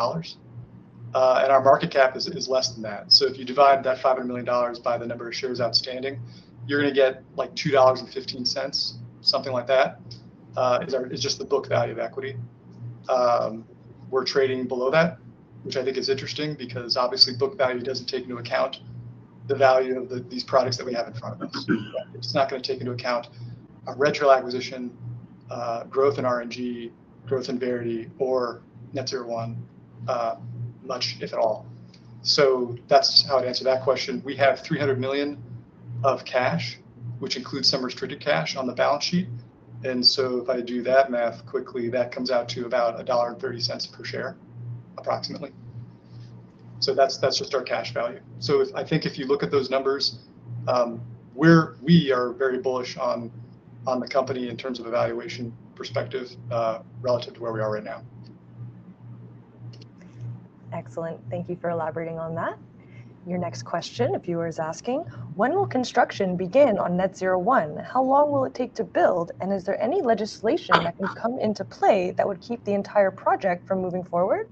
Our market cap is less than that. If you divide that $500 million by the number of shares outstanding, you're going to get like $2.15, something like that, is just the book value of equity. We're trading below that, which I think is interesting because obviously book value doesn't take into account the value of these products that we have in front of us. It's not going to take into account a Red Trail acquisition, growth in RNG, growth in Verity, or Net-Zero 1, much, if at all. So that's how I'd answer that question. We have $300 million of cash, which includes some restricted cash on the balance sheet. And so if I do that math quickly, that comes out to about $1.30 per share, approximately. So that's just our cash value. So I think if you look at those numbers, we are very bullish on the company in terms of valuation perspective relative to where we are right now. Excellent. Thank you for elaborating on that. Your next question, a viewer is asking, when will construction begin on Net-Zero 1? How long will it take to build? And is there any legislation that can come into play that would keep the entire project from moving forward?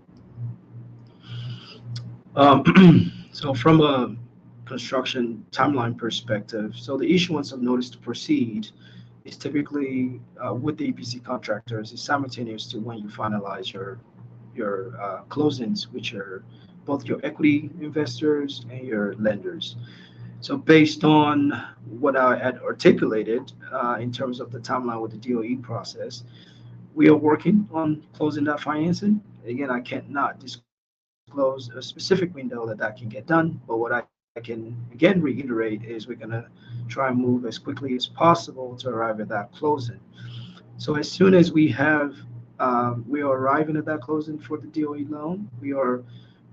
From a construction timeline perspective, the issuance of notice to proceed is typically with the EPC contractors simultaneous to when you finalize your closings, which are both your equity investors and your lenders. Based on what I articulated in terms of the timeline with the DOE process, we are working on closing that financing. Again, I cannot disclose a specific window that can get done. But what I can, again, reiterate is we're going to try and move as quickly as possible to arrive at that closing. As soon as we are arriving at that closing for the DOE loan, we are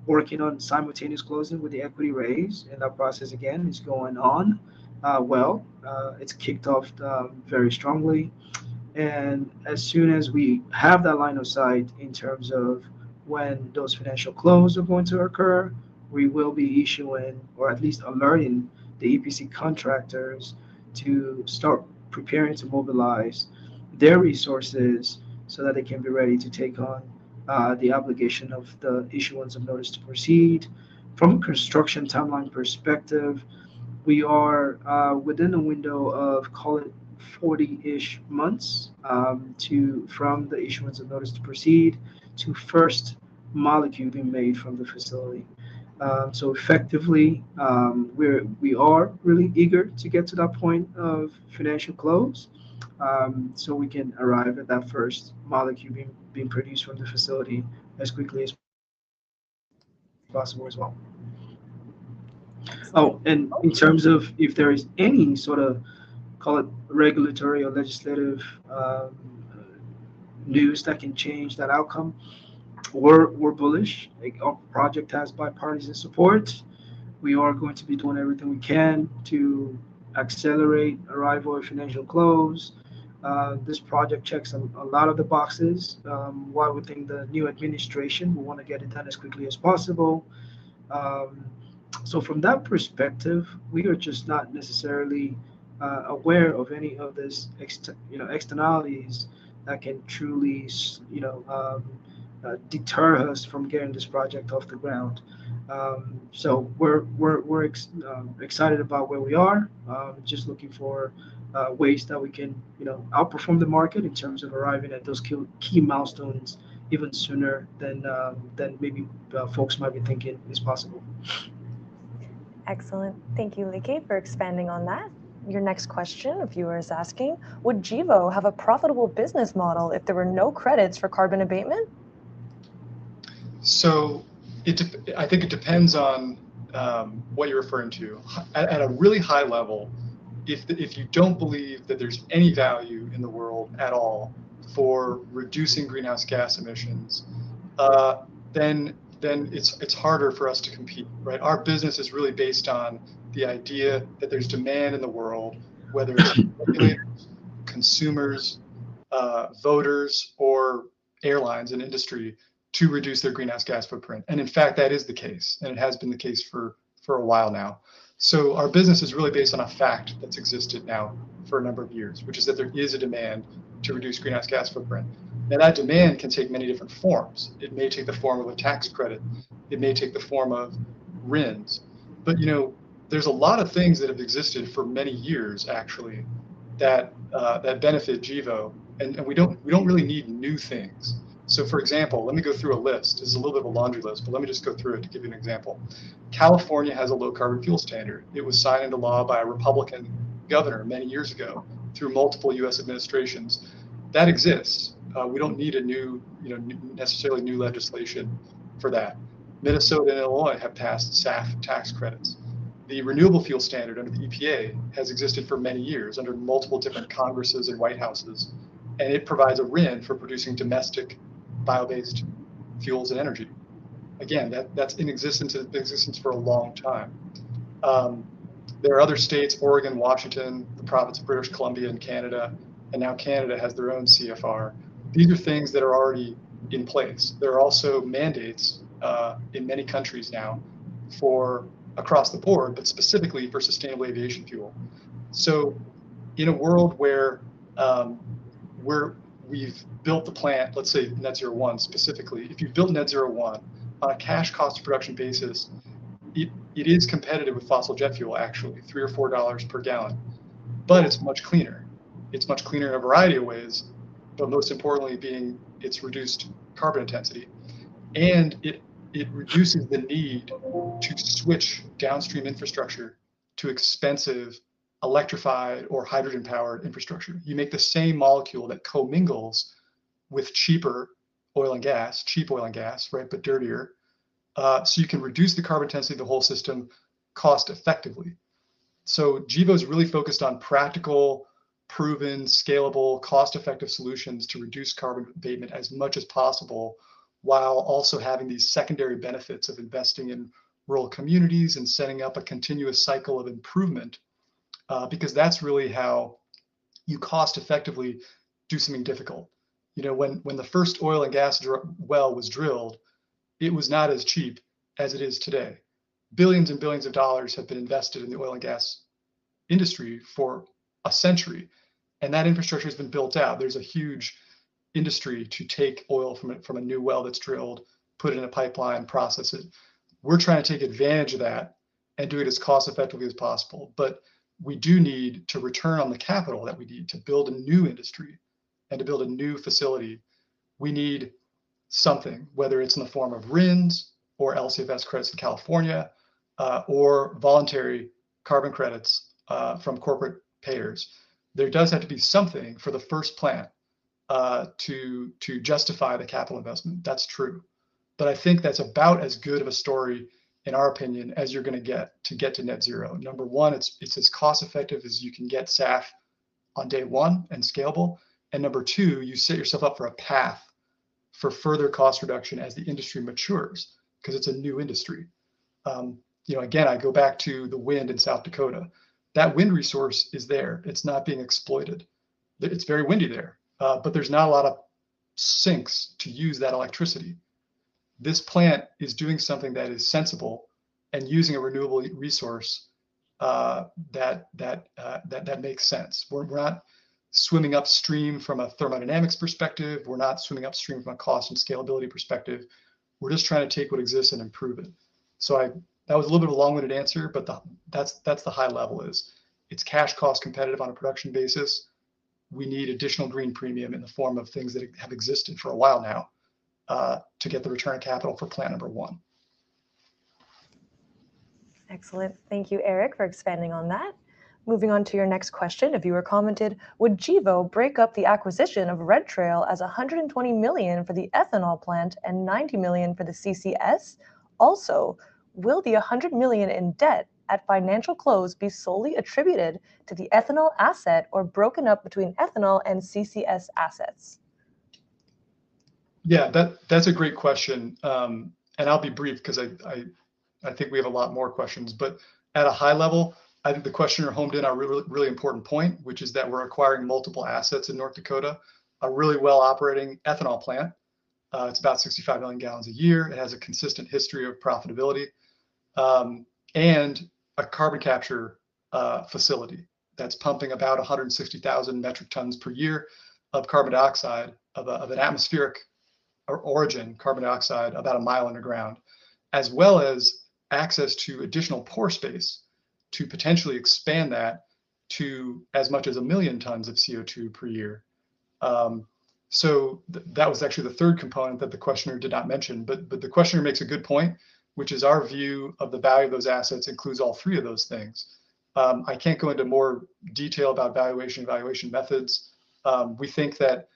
working on simultaneous closing with the equity raise. That process, again, is going on well. It's kicked off very strongly. As soon as we have that line of sight in terms of when those financial close are going to occur, we will be issuing or at least alerting the EPC contractors to start preparing to mobilize their resources so that they can be ready to take on the obligation of the issuance of notice to proceed. From a construction timeline perspective, we are within the window of, call it, 40-ish months from the issuance of notice to proceed to first molecule being made from the facility. Effectively, we are really eager to get to that point of financial close so we can arrive at that first molecule being produced from the facility as quickly as possible as well. Oh, and in terms of if there is any sort of, call it, regulatory or legislative news that can change that outcome, we're bullish. Our project has bipartisan support. We are going to be doing everything we can to accelerate arrival of financial close. This project checks a lot of the boxes while we think the new administration will want to get it done as quickly as possible. So from that perspective, we are just not necessarily aware of any of these externalities that can truly deter us from getting this project off the ground. So we're excited about where we are, just looking for ways that we can outperform the market in terms of arriving at those key milestones even sooner than maybe folks might be thinking is possible. Excellent. Thank you, Leke, for expanding on that. Your next question, a viewer is asking, would Gevo have a profitable business model if there were no credits for carbon abatement? So I think it depends on what you're referring to. At a really high level, if you don't believe that there's any value in the world at all for reducing greenhouse gas emissions, then it's harder for us to compete. Our business is really based on the idea that there's demand in the world, whether it's regulators, consumers, voters, or airlines and industry to reduce their greenhouse gas footprint. And in fact, that is the case. And it has been the case for a while now. So our business is really based on a fact that's existed now for a number of years, which is that there is a demand to reduce greenhouse gas footprint. And that demand can take many different forms. It may take the form of a tax credit. It may take the form of RINs. But there's a lot of things that have existed for many years, actually, that benefit Gevo. And we don't really need new things. So for example, let me go through a list. This is a little bit of a laundry list, but let me just go through it to give you an example. California has a Low Carbon Fuel Standard. It was signed into law by a Republican governor many years ago through multiple U.S. administrations. That exists. We don't need a new, necessarily new legislation for that. Minnesota and Illinois have passed SAF tax credits. The Renewable Fuel Standard under the EPA has existed for many years under multiple different congresses and White Houses. And it provides a RIN for producing domestic bio-based fuels and energy. Again, that's in existence for a long time. There are other states, Oregon, Washington, the province of British Columbia, and Canada. And now Canada has their own CFR. These are things that are already in place. There are also mandates in many countries now across the board, but specifically for Sustainable aviation fuel. So in a world where we've built the plant, let's say Net-Zero 1 specifically, if you build Net-Zero 1 on a cash cost production basis, it is competitive with fossil jet fuel, actually, $3 or $4 per gallon. But it's much cleaner. It's much cleaner in a variety of ways, but most importantly being, it's reduced carbon intensity. And it reduces the need to switch downstream infrastructure to expensive electrified or hydrogen-powered infrastructure. You make the same molecule that co-mingles with cheaper oil and gas, cheap oil and gas, but dirtier. So you can reduce the carbon intensity of the whole system cost-effectively. Gevo is really focused on practical, proven, scalable, cost-effective solutions to reduce carbon abatement as much as possible while also having these secondary benefits of investing in rural communities and setting up a continuous cycle of improvement because that's really how you cost-effectively do something difficult. When the first oil and gas well was drilled, it was not as cheap as it is today. Billions and billions of dollars have been invested in the oil and gas industry for a century. And that infrastructure has been built out. There's a huge industry to take oil from a new well that's drilled, put it in a pipeline, process it. We're trying to take advantage of that and do it as cost-effectively as possible. But we do need to return on the capital that we need to build a new industry and to build a new facility. We need something, whether it's in the form of RINs or LCFS credits in California or voluntary carbon credits from corporate payers. There does have to be something for the first plant to justify the capital investment. That's true, but I think that's about as good of a story, in our opinion, as you're going to get to get to net zero. Number one, it's as cost-effective as you can get SAF on day one and scalable, and number two, you set yourself up for a path for further cost reduction as the industry matures because it's a new industry. Again, I go back to the wind in South Dakota. That wind resource is there. It's not being exploited. It's very windy there. But there's not a lot of sinks to use that electricity. This plant is doing something that is sensible and using a renewable resource that makes sense. We're not swimming upstream from a thermodynamics perspective. We're not swimming upstream from a cost and scalability perspective. We're just trying to take what exists and improve it. So that was a little bit of a long-winded answer, but that's the high level. It's cash cost competitive on a production basis. We need additional green premium in the form of things that have existed for a while now to get the return of capital for plant number one. Excellent. Thank you, Eric, for expanding on that. Moving on to your next question, a viewer commented, would Gevo break up the acquisition of Red Trail as $120 million for the ethanol plant and $90 million for the CCS? Also, will the $100 million in debt at financial close be solely attributed to the ethanol asset or broken up between ethanol and CCS assets? Yeah, that's a great question. And I'll be brief because I think we have a lot more questions. But at a high level, I think the questioner honed in on a really important point, which is that we're acquiring multiple assets in North Dakota, a really well-operating ethanol plant. It's about 65 million gallons a year. It has a consistent history of profitability and a carbon capture facility that's pumping about 160,000 metric tons per year of carbon dioxide of an atmospheric origin, carbon dioxide about a mile underground, as well as access to additional pore space to potentially expand that to as much as a million tons of CO2 per year. So that was actually the third component that the questioner did not mention. But the questioner makes a good point, which is our view of the value of those assets includes all three of those things. I can't go into more detail about valuation and valuation methods. We think that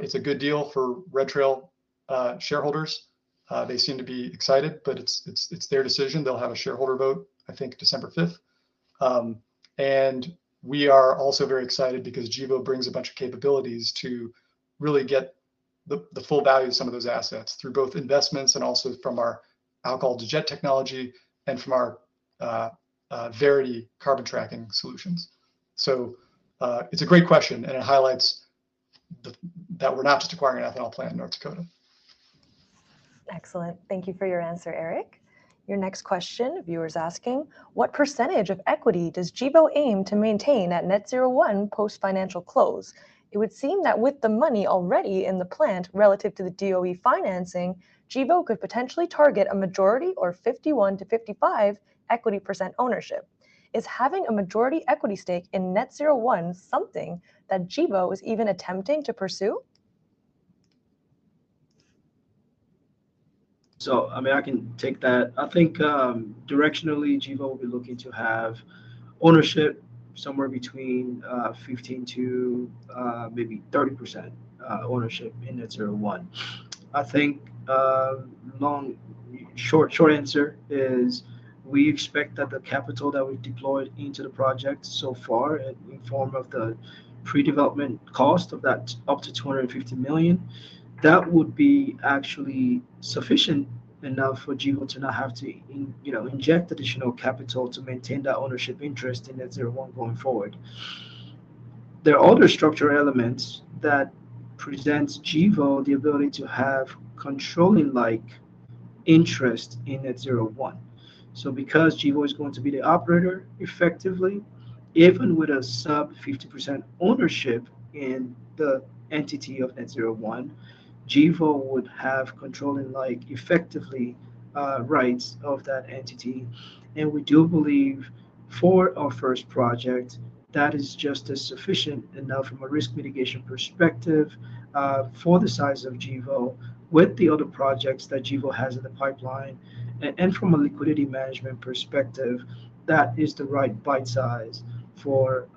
it's a good deal for Red Trail shareholders. They seem to be excited, but it's their decision. They'll have a shareholder vote, I think, December 5th, and we are also very excited because Gevo brings a bunch of capabilities to really get the full value of some of those assets through both investments and also from our alcohol-to-jet technology and from our Verity carbon tracking solutions, so it's a great question and it highlights that we're not just acquiring an ethanol plant in North Dakota. Excellent. Thank you for your answer, Eric. Your next question, a viewer is asking, what percentage of equity does Gevo aim to maintain at Net-Zero 1 post-financial close? It would seem that with the money already in the plant relative to the DOE financing, Gevo could potentially target a majority or 51%-55% equity ownership. Is having a majority equity stake in Net-Zero 1 something that Gevo is even attempting to pursue? So I mean, I can take that. I think directionally, Gevo will be looking to have ownership somewhere between 15%-30% ownership in Net-Zero 1. I think short answer is we expect that the capital that we've deployed into the project so far in the form of the pre-development cost of that up to $250 million, that would be actually sufficient enough for Gevo to not have to inject additional capital to maintain that ownership interest in Net-Zero 1 going forward. There are other structural elements that present Gevo the ability to have controlling-like interest in Net-Zero 1. So because Gevo is going to be the operator effectively, even with a sub-50% ownership in the entity of Net-Zero 1, Gevo would have controlling-like effectively rights of that entity. We do believe for our first project, that is just as sufficient enough from a risk mitigation perspective for the size of Gevo with the other projects that Gevo has in the pipeline. From a liquidity management perspective, that is the right bite size for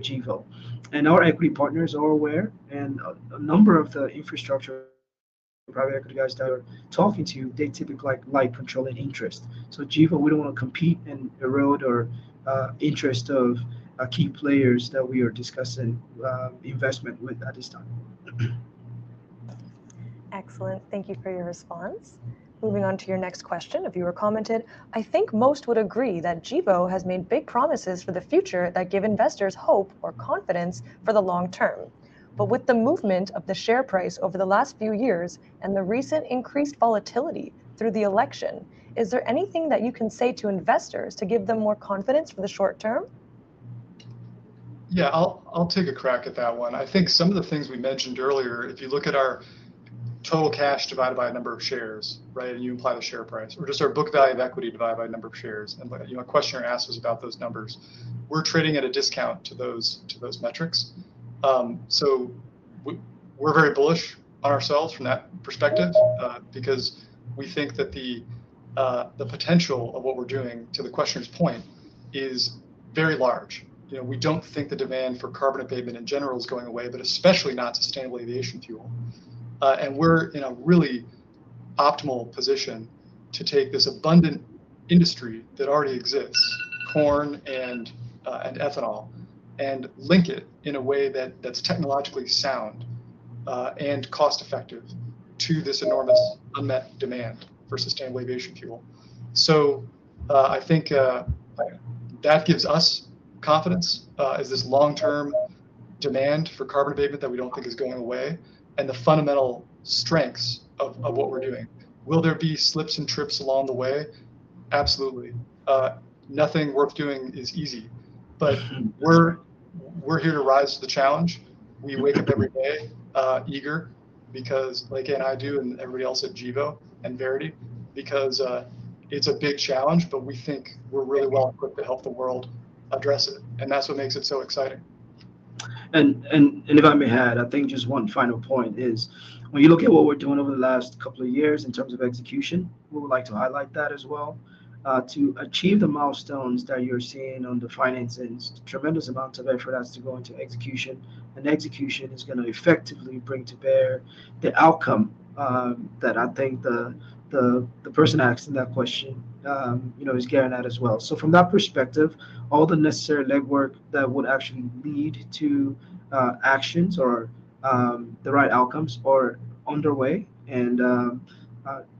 Gevo. Our equity partners are aware. A number of the infrastructure private equity guys that are talking to you. They typically like controlling interest. Gevo, we don't want to compete and erode the interest of key players that we are discussing investment with at this time. Excellent. Thank you for your response. Moving on to your next question, a viewer commented, "I think most would agree that Gevo has made big promises for the future that give investors hope or confidence for the long term. But with the movement of the share price over the last few years and the recent increased volatility through the election, is there anything that you can say to investors to give them more confidence for the short term? Yeah, I'll take a crack at that one. I think some of the things we mentioned earlier, if you look at our total cash divided by the number of shares, and you apply the share price, or just our book value of equity divided by the number of shares, and the questioner asked us about those numbers. We're trading at a discount to those metrics, so we're very bullish on ourselves from that perspective because we think that the potential of what we're doing, to the questioner's point, is very large. We don't think the demand for carbon abatement in general is going away, but especially not sustainable aviation fuel, and we're in a really optimal position to take this abundant industry that already exists, corn and ethanol, and link it in a way that's technologically sound and cost-effective to this enormous unmet demand for sustainable aviation fuel. So I think that gives us confidence as this long-term demand for carbon abatement that we don't think is going away and the fundamental strengths of what we're doing. Will there be slips and trips along the way? Absolutely. Nothing worth doing is easy. But we're here to rise to the challenge. We wake up every day eager because, like I do and everybody else at Gevo and Verity, because it's a big challenge, but we think we're really well equipped to help the world address it. And that's what makes it so exciting. And if I may add, I think just one final point is when you look at what we're doing over the last couple of years in terms of execution, we would like to highlight that as well. To achieve the milestones that you're seeing on the financing, it's tremendous amounts of effort has to go into execution. And execution is going to effectively bring to bear the outcome that I think the person asked in that question is getting at as well. So from that perspective, all the necessary legwork that would actually lead to actions or the right outcomes are underway. And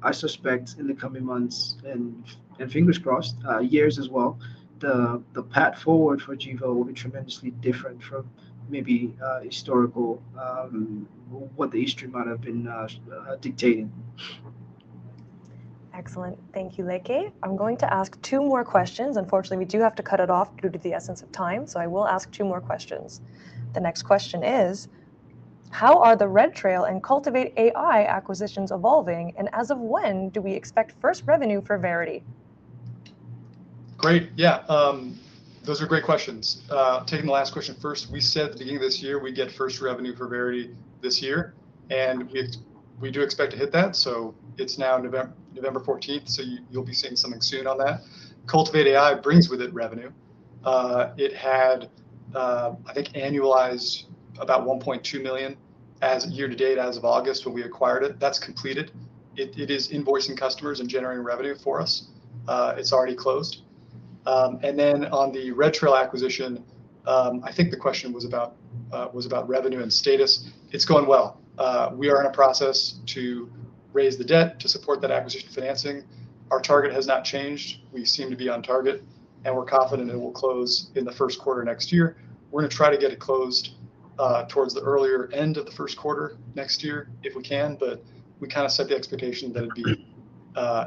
I suspect in the coming months and fingers crossed, years as well, the path forward for Gevo will be tremendously different from maybe historical what the history might have been dictating. Excellent. Thank you, Leke. I'm going to ask two more questions. Unfortunately, we do have to cut it off due to the essence of time. So I will ask two more questions. The next question is, how are the Red Trail and CultivateAI acquisitions evolving? And as of when, do we expect first revenue for Verity? Great. Yeah, those are great questions. Taking the last question first, we said at the beginning of this year, we get first revenue for Verity this year. And we do expect to hit that. So it's now November 14th. So you'll be seeing something soon on that. CultivateAI brings with it revenue. It had, I think, annualized about $1.2 million year to date as of August when we acquired it. That's completed. It is invoicing customers and generating revenue for us. It's already closed. And then on the Red Trail acquisition, I think the question was about revenue and status. It's going well. We are in a process to raise the debt to support that acquisition financing. Our target has not changed. We seem to be on target. And we're confident it will close in the Q1 next year. We're going to try to get it closed towards the earlier end of the Q1 next year if we can, but we kind of set the expectation that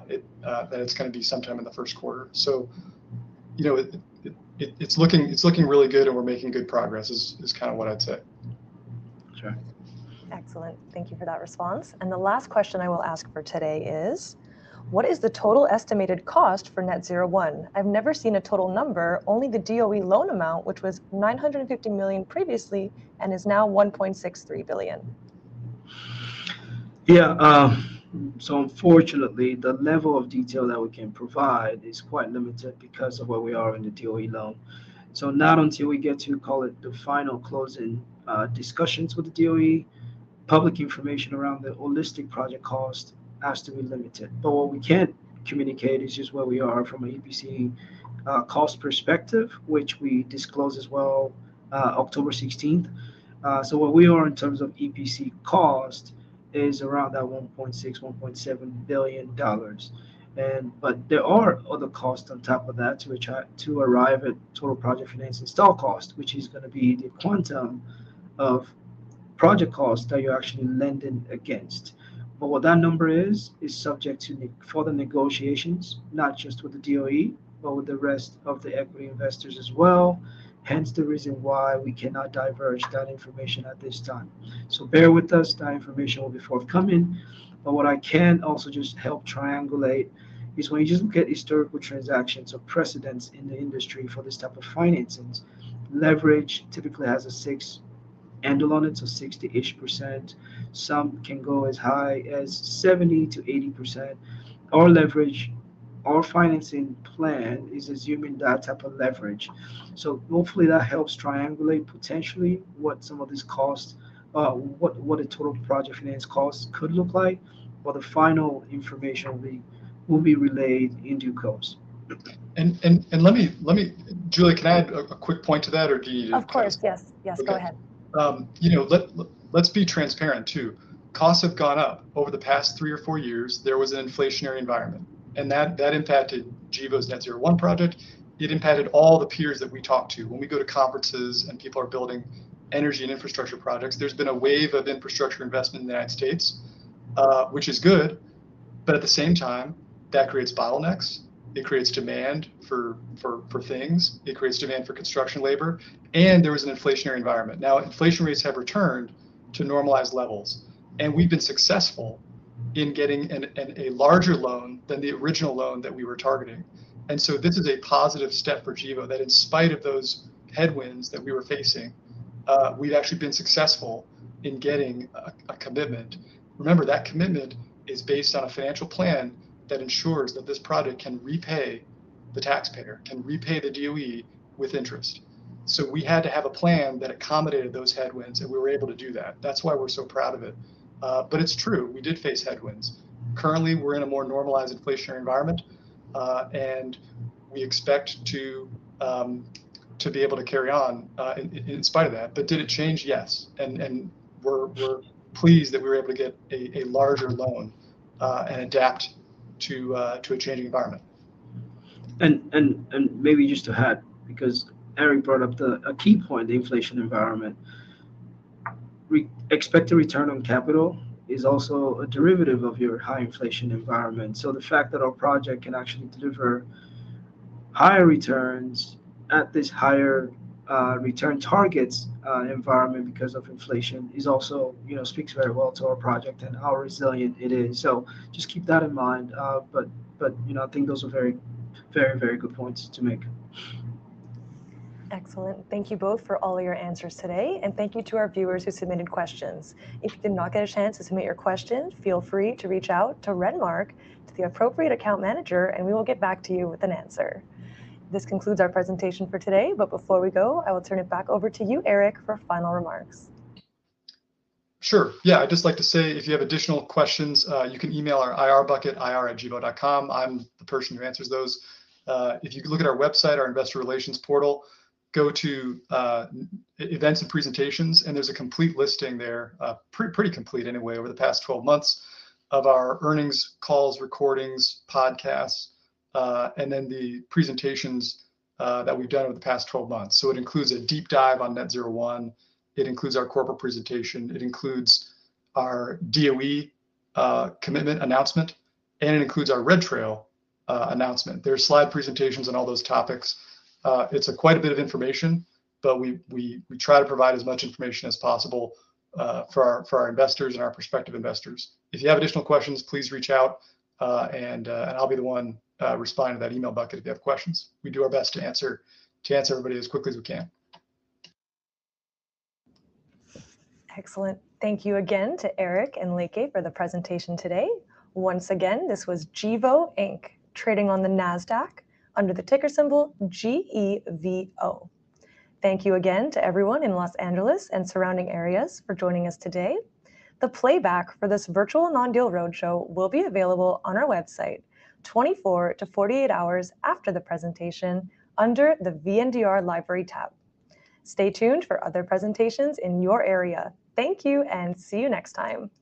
it's going to be sometime in the Q1, so it's looking really good, and we're making good progress, is kind of what I'd say. Excellent. Thank you for that response, and the last question I will ask for today is, what is the total estimated cost for Net-Zero 1? I've never seen a total number, only the DOE loan amount, which was $950 million previously and is now $1.63 billion. Yeah. So unfortunately, the level of detail that we can provide is quite limited because of where we are in the DOE loan. So not until we get to call it the final closing discussions with the DOE, public information around the holistic project cost has to be limited. But what we can communicate is just where we are from an EPC cost perspective, which we disclosed as of October 16th. So where we are in terms of EPC cost is around that $1.6-$1.7 billion. But there are other costs on top of that to arrive at total project financing installed cost, which is going to be the quantum of project cost that you're actually lending against. But what that number is, is subject to further negotiations, not just with the DOE, but with the rest of the equity investors as well. Hence the reason why we cannot divulge that information at this time. So bear with us. That information will be forthcoming. But what I can also just help triangulate is when you just look at historical transactions or precedents in the industry for this type of financing, leverage typically has a six handle on it, so 60-ish%. Some can go as high as 70%-80%. Our financing plan is assuming that type of leverage. So hopefully, that helps triangulate potentially what some of these costs, what a total project finance cost could look like. But the final information will be relayed in due course. And Julia, can I add a quick point to that, or do you? Of course. Yes. Yes, go ahead. Let's be transparent too. Costs have gone up over the past three or four years. There was an inflationary environment. And that impacted Gevo's Net-Zero 1 project. It impacted all the peers that we talk to. When we go to conferences and people are building energy and infrastructure projects, there's been a wave of infrastructure investment in the United States, which is good. But at the same time, that creates bottlenecks. It creates demand for things. It creates demand for construction labor. And there was an inflationary environment. Now, inflation rates have returned to normalized levels. And we've been successful in getting a larger loan than the original loan that we were targeting. And so this is a positive step for Gevo that in spite of those headwinds that we were facing, we've actually been successful in getting a commitment. Remember, that commitment is based on a financial plan that ensures that this project can repay the taxpayer, can repay the DOE with interest. So we had to have a plan that accommodated those headwinds, and we were able to do that. That's why we're so proud of it. But it's true. We did face headwinds. Currently, we're in a more normalized inflationary environment. And we expect to be able to carry on in spite of that. But did it change? Yes. And we're pleased that we were able to get a larger loan and adapt to a changing environment. And maybe just to add, because Eric brought up a key point, the inflation environment. Expected return on capital is also a derivative of your high inflation environment. So the fact that our project can actually deliver higher returns at these higher return targets environment because of inflation speaks very well to our project and how resilient it is. So just keep that in mind. But I think those are very, very, very good points to make. Excellent. Thank you both for all of your answers today, and thank you to our viewers who submitted questions. If you did not get a chance to submit your question, feel free to reach out to Renmark, to the appropriate account manager, and we will get back to you with an answer. This concludes our presentation for today, but before we go, I will turn it back over to you, Eric, for final remarks. Sure. Yeah, I'd just like to say if you have additional questions, you can email our IR bucket, ir@gevo.com. I'm the person who answers those. If you look at our website, our investor relations portal, go to events and presentations, and there's a complete listing there, pretty complete anyway, over the past 12 months of our earnings, calls, recordings, podcasts, and then the presentations that we've done over the past 12 months. So it includes a deep dive on Net-Zero 1. It includes our corporate presentation. It includes our DOE commitment announcement. And it includes our Red Trail announcement. There are slide presentations on all those topics. It's quite a bit of information, but we try to provide as much information as possible for our investors and our prospective investors. If you have additional questions, please reach out. I'll be the one responding to that email bucket if you have questions. We do our best to answer everybody as quickly as we can. Excellent. Thank you again to Eric and Leke for the presentation today. Once again, this was Gevo Inc. trading on the NASDAQ under the ticker symbol GEVO. Thank you again to everyone in Los Angeles and surrounding areas for joining us today. The playback for this virtual non-deal roadshow will be available on our website 24-48 hours after the presentation under the VNDR Library tab. Stay tuned for other presentations in your area. Thank you and see you next time.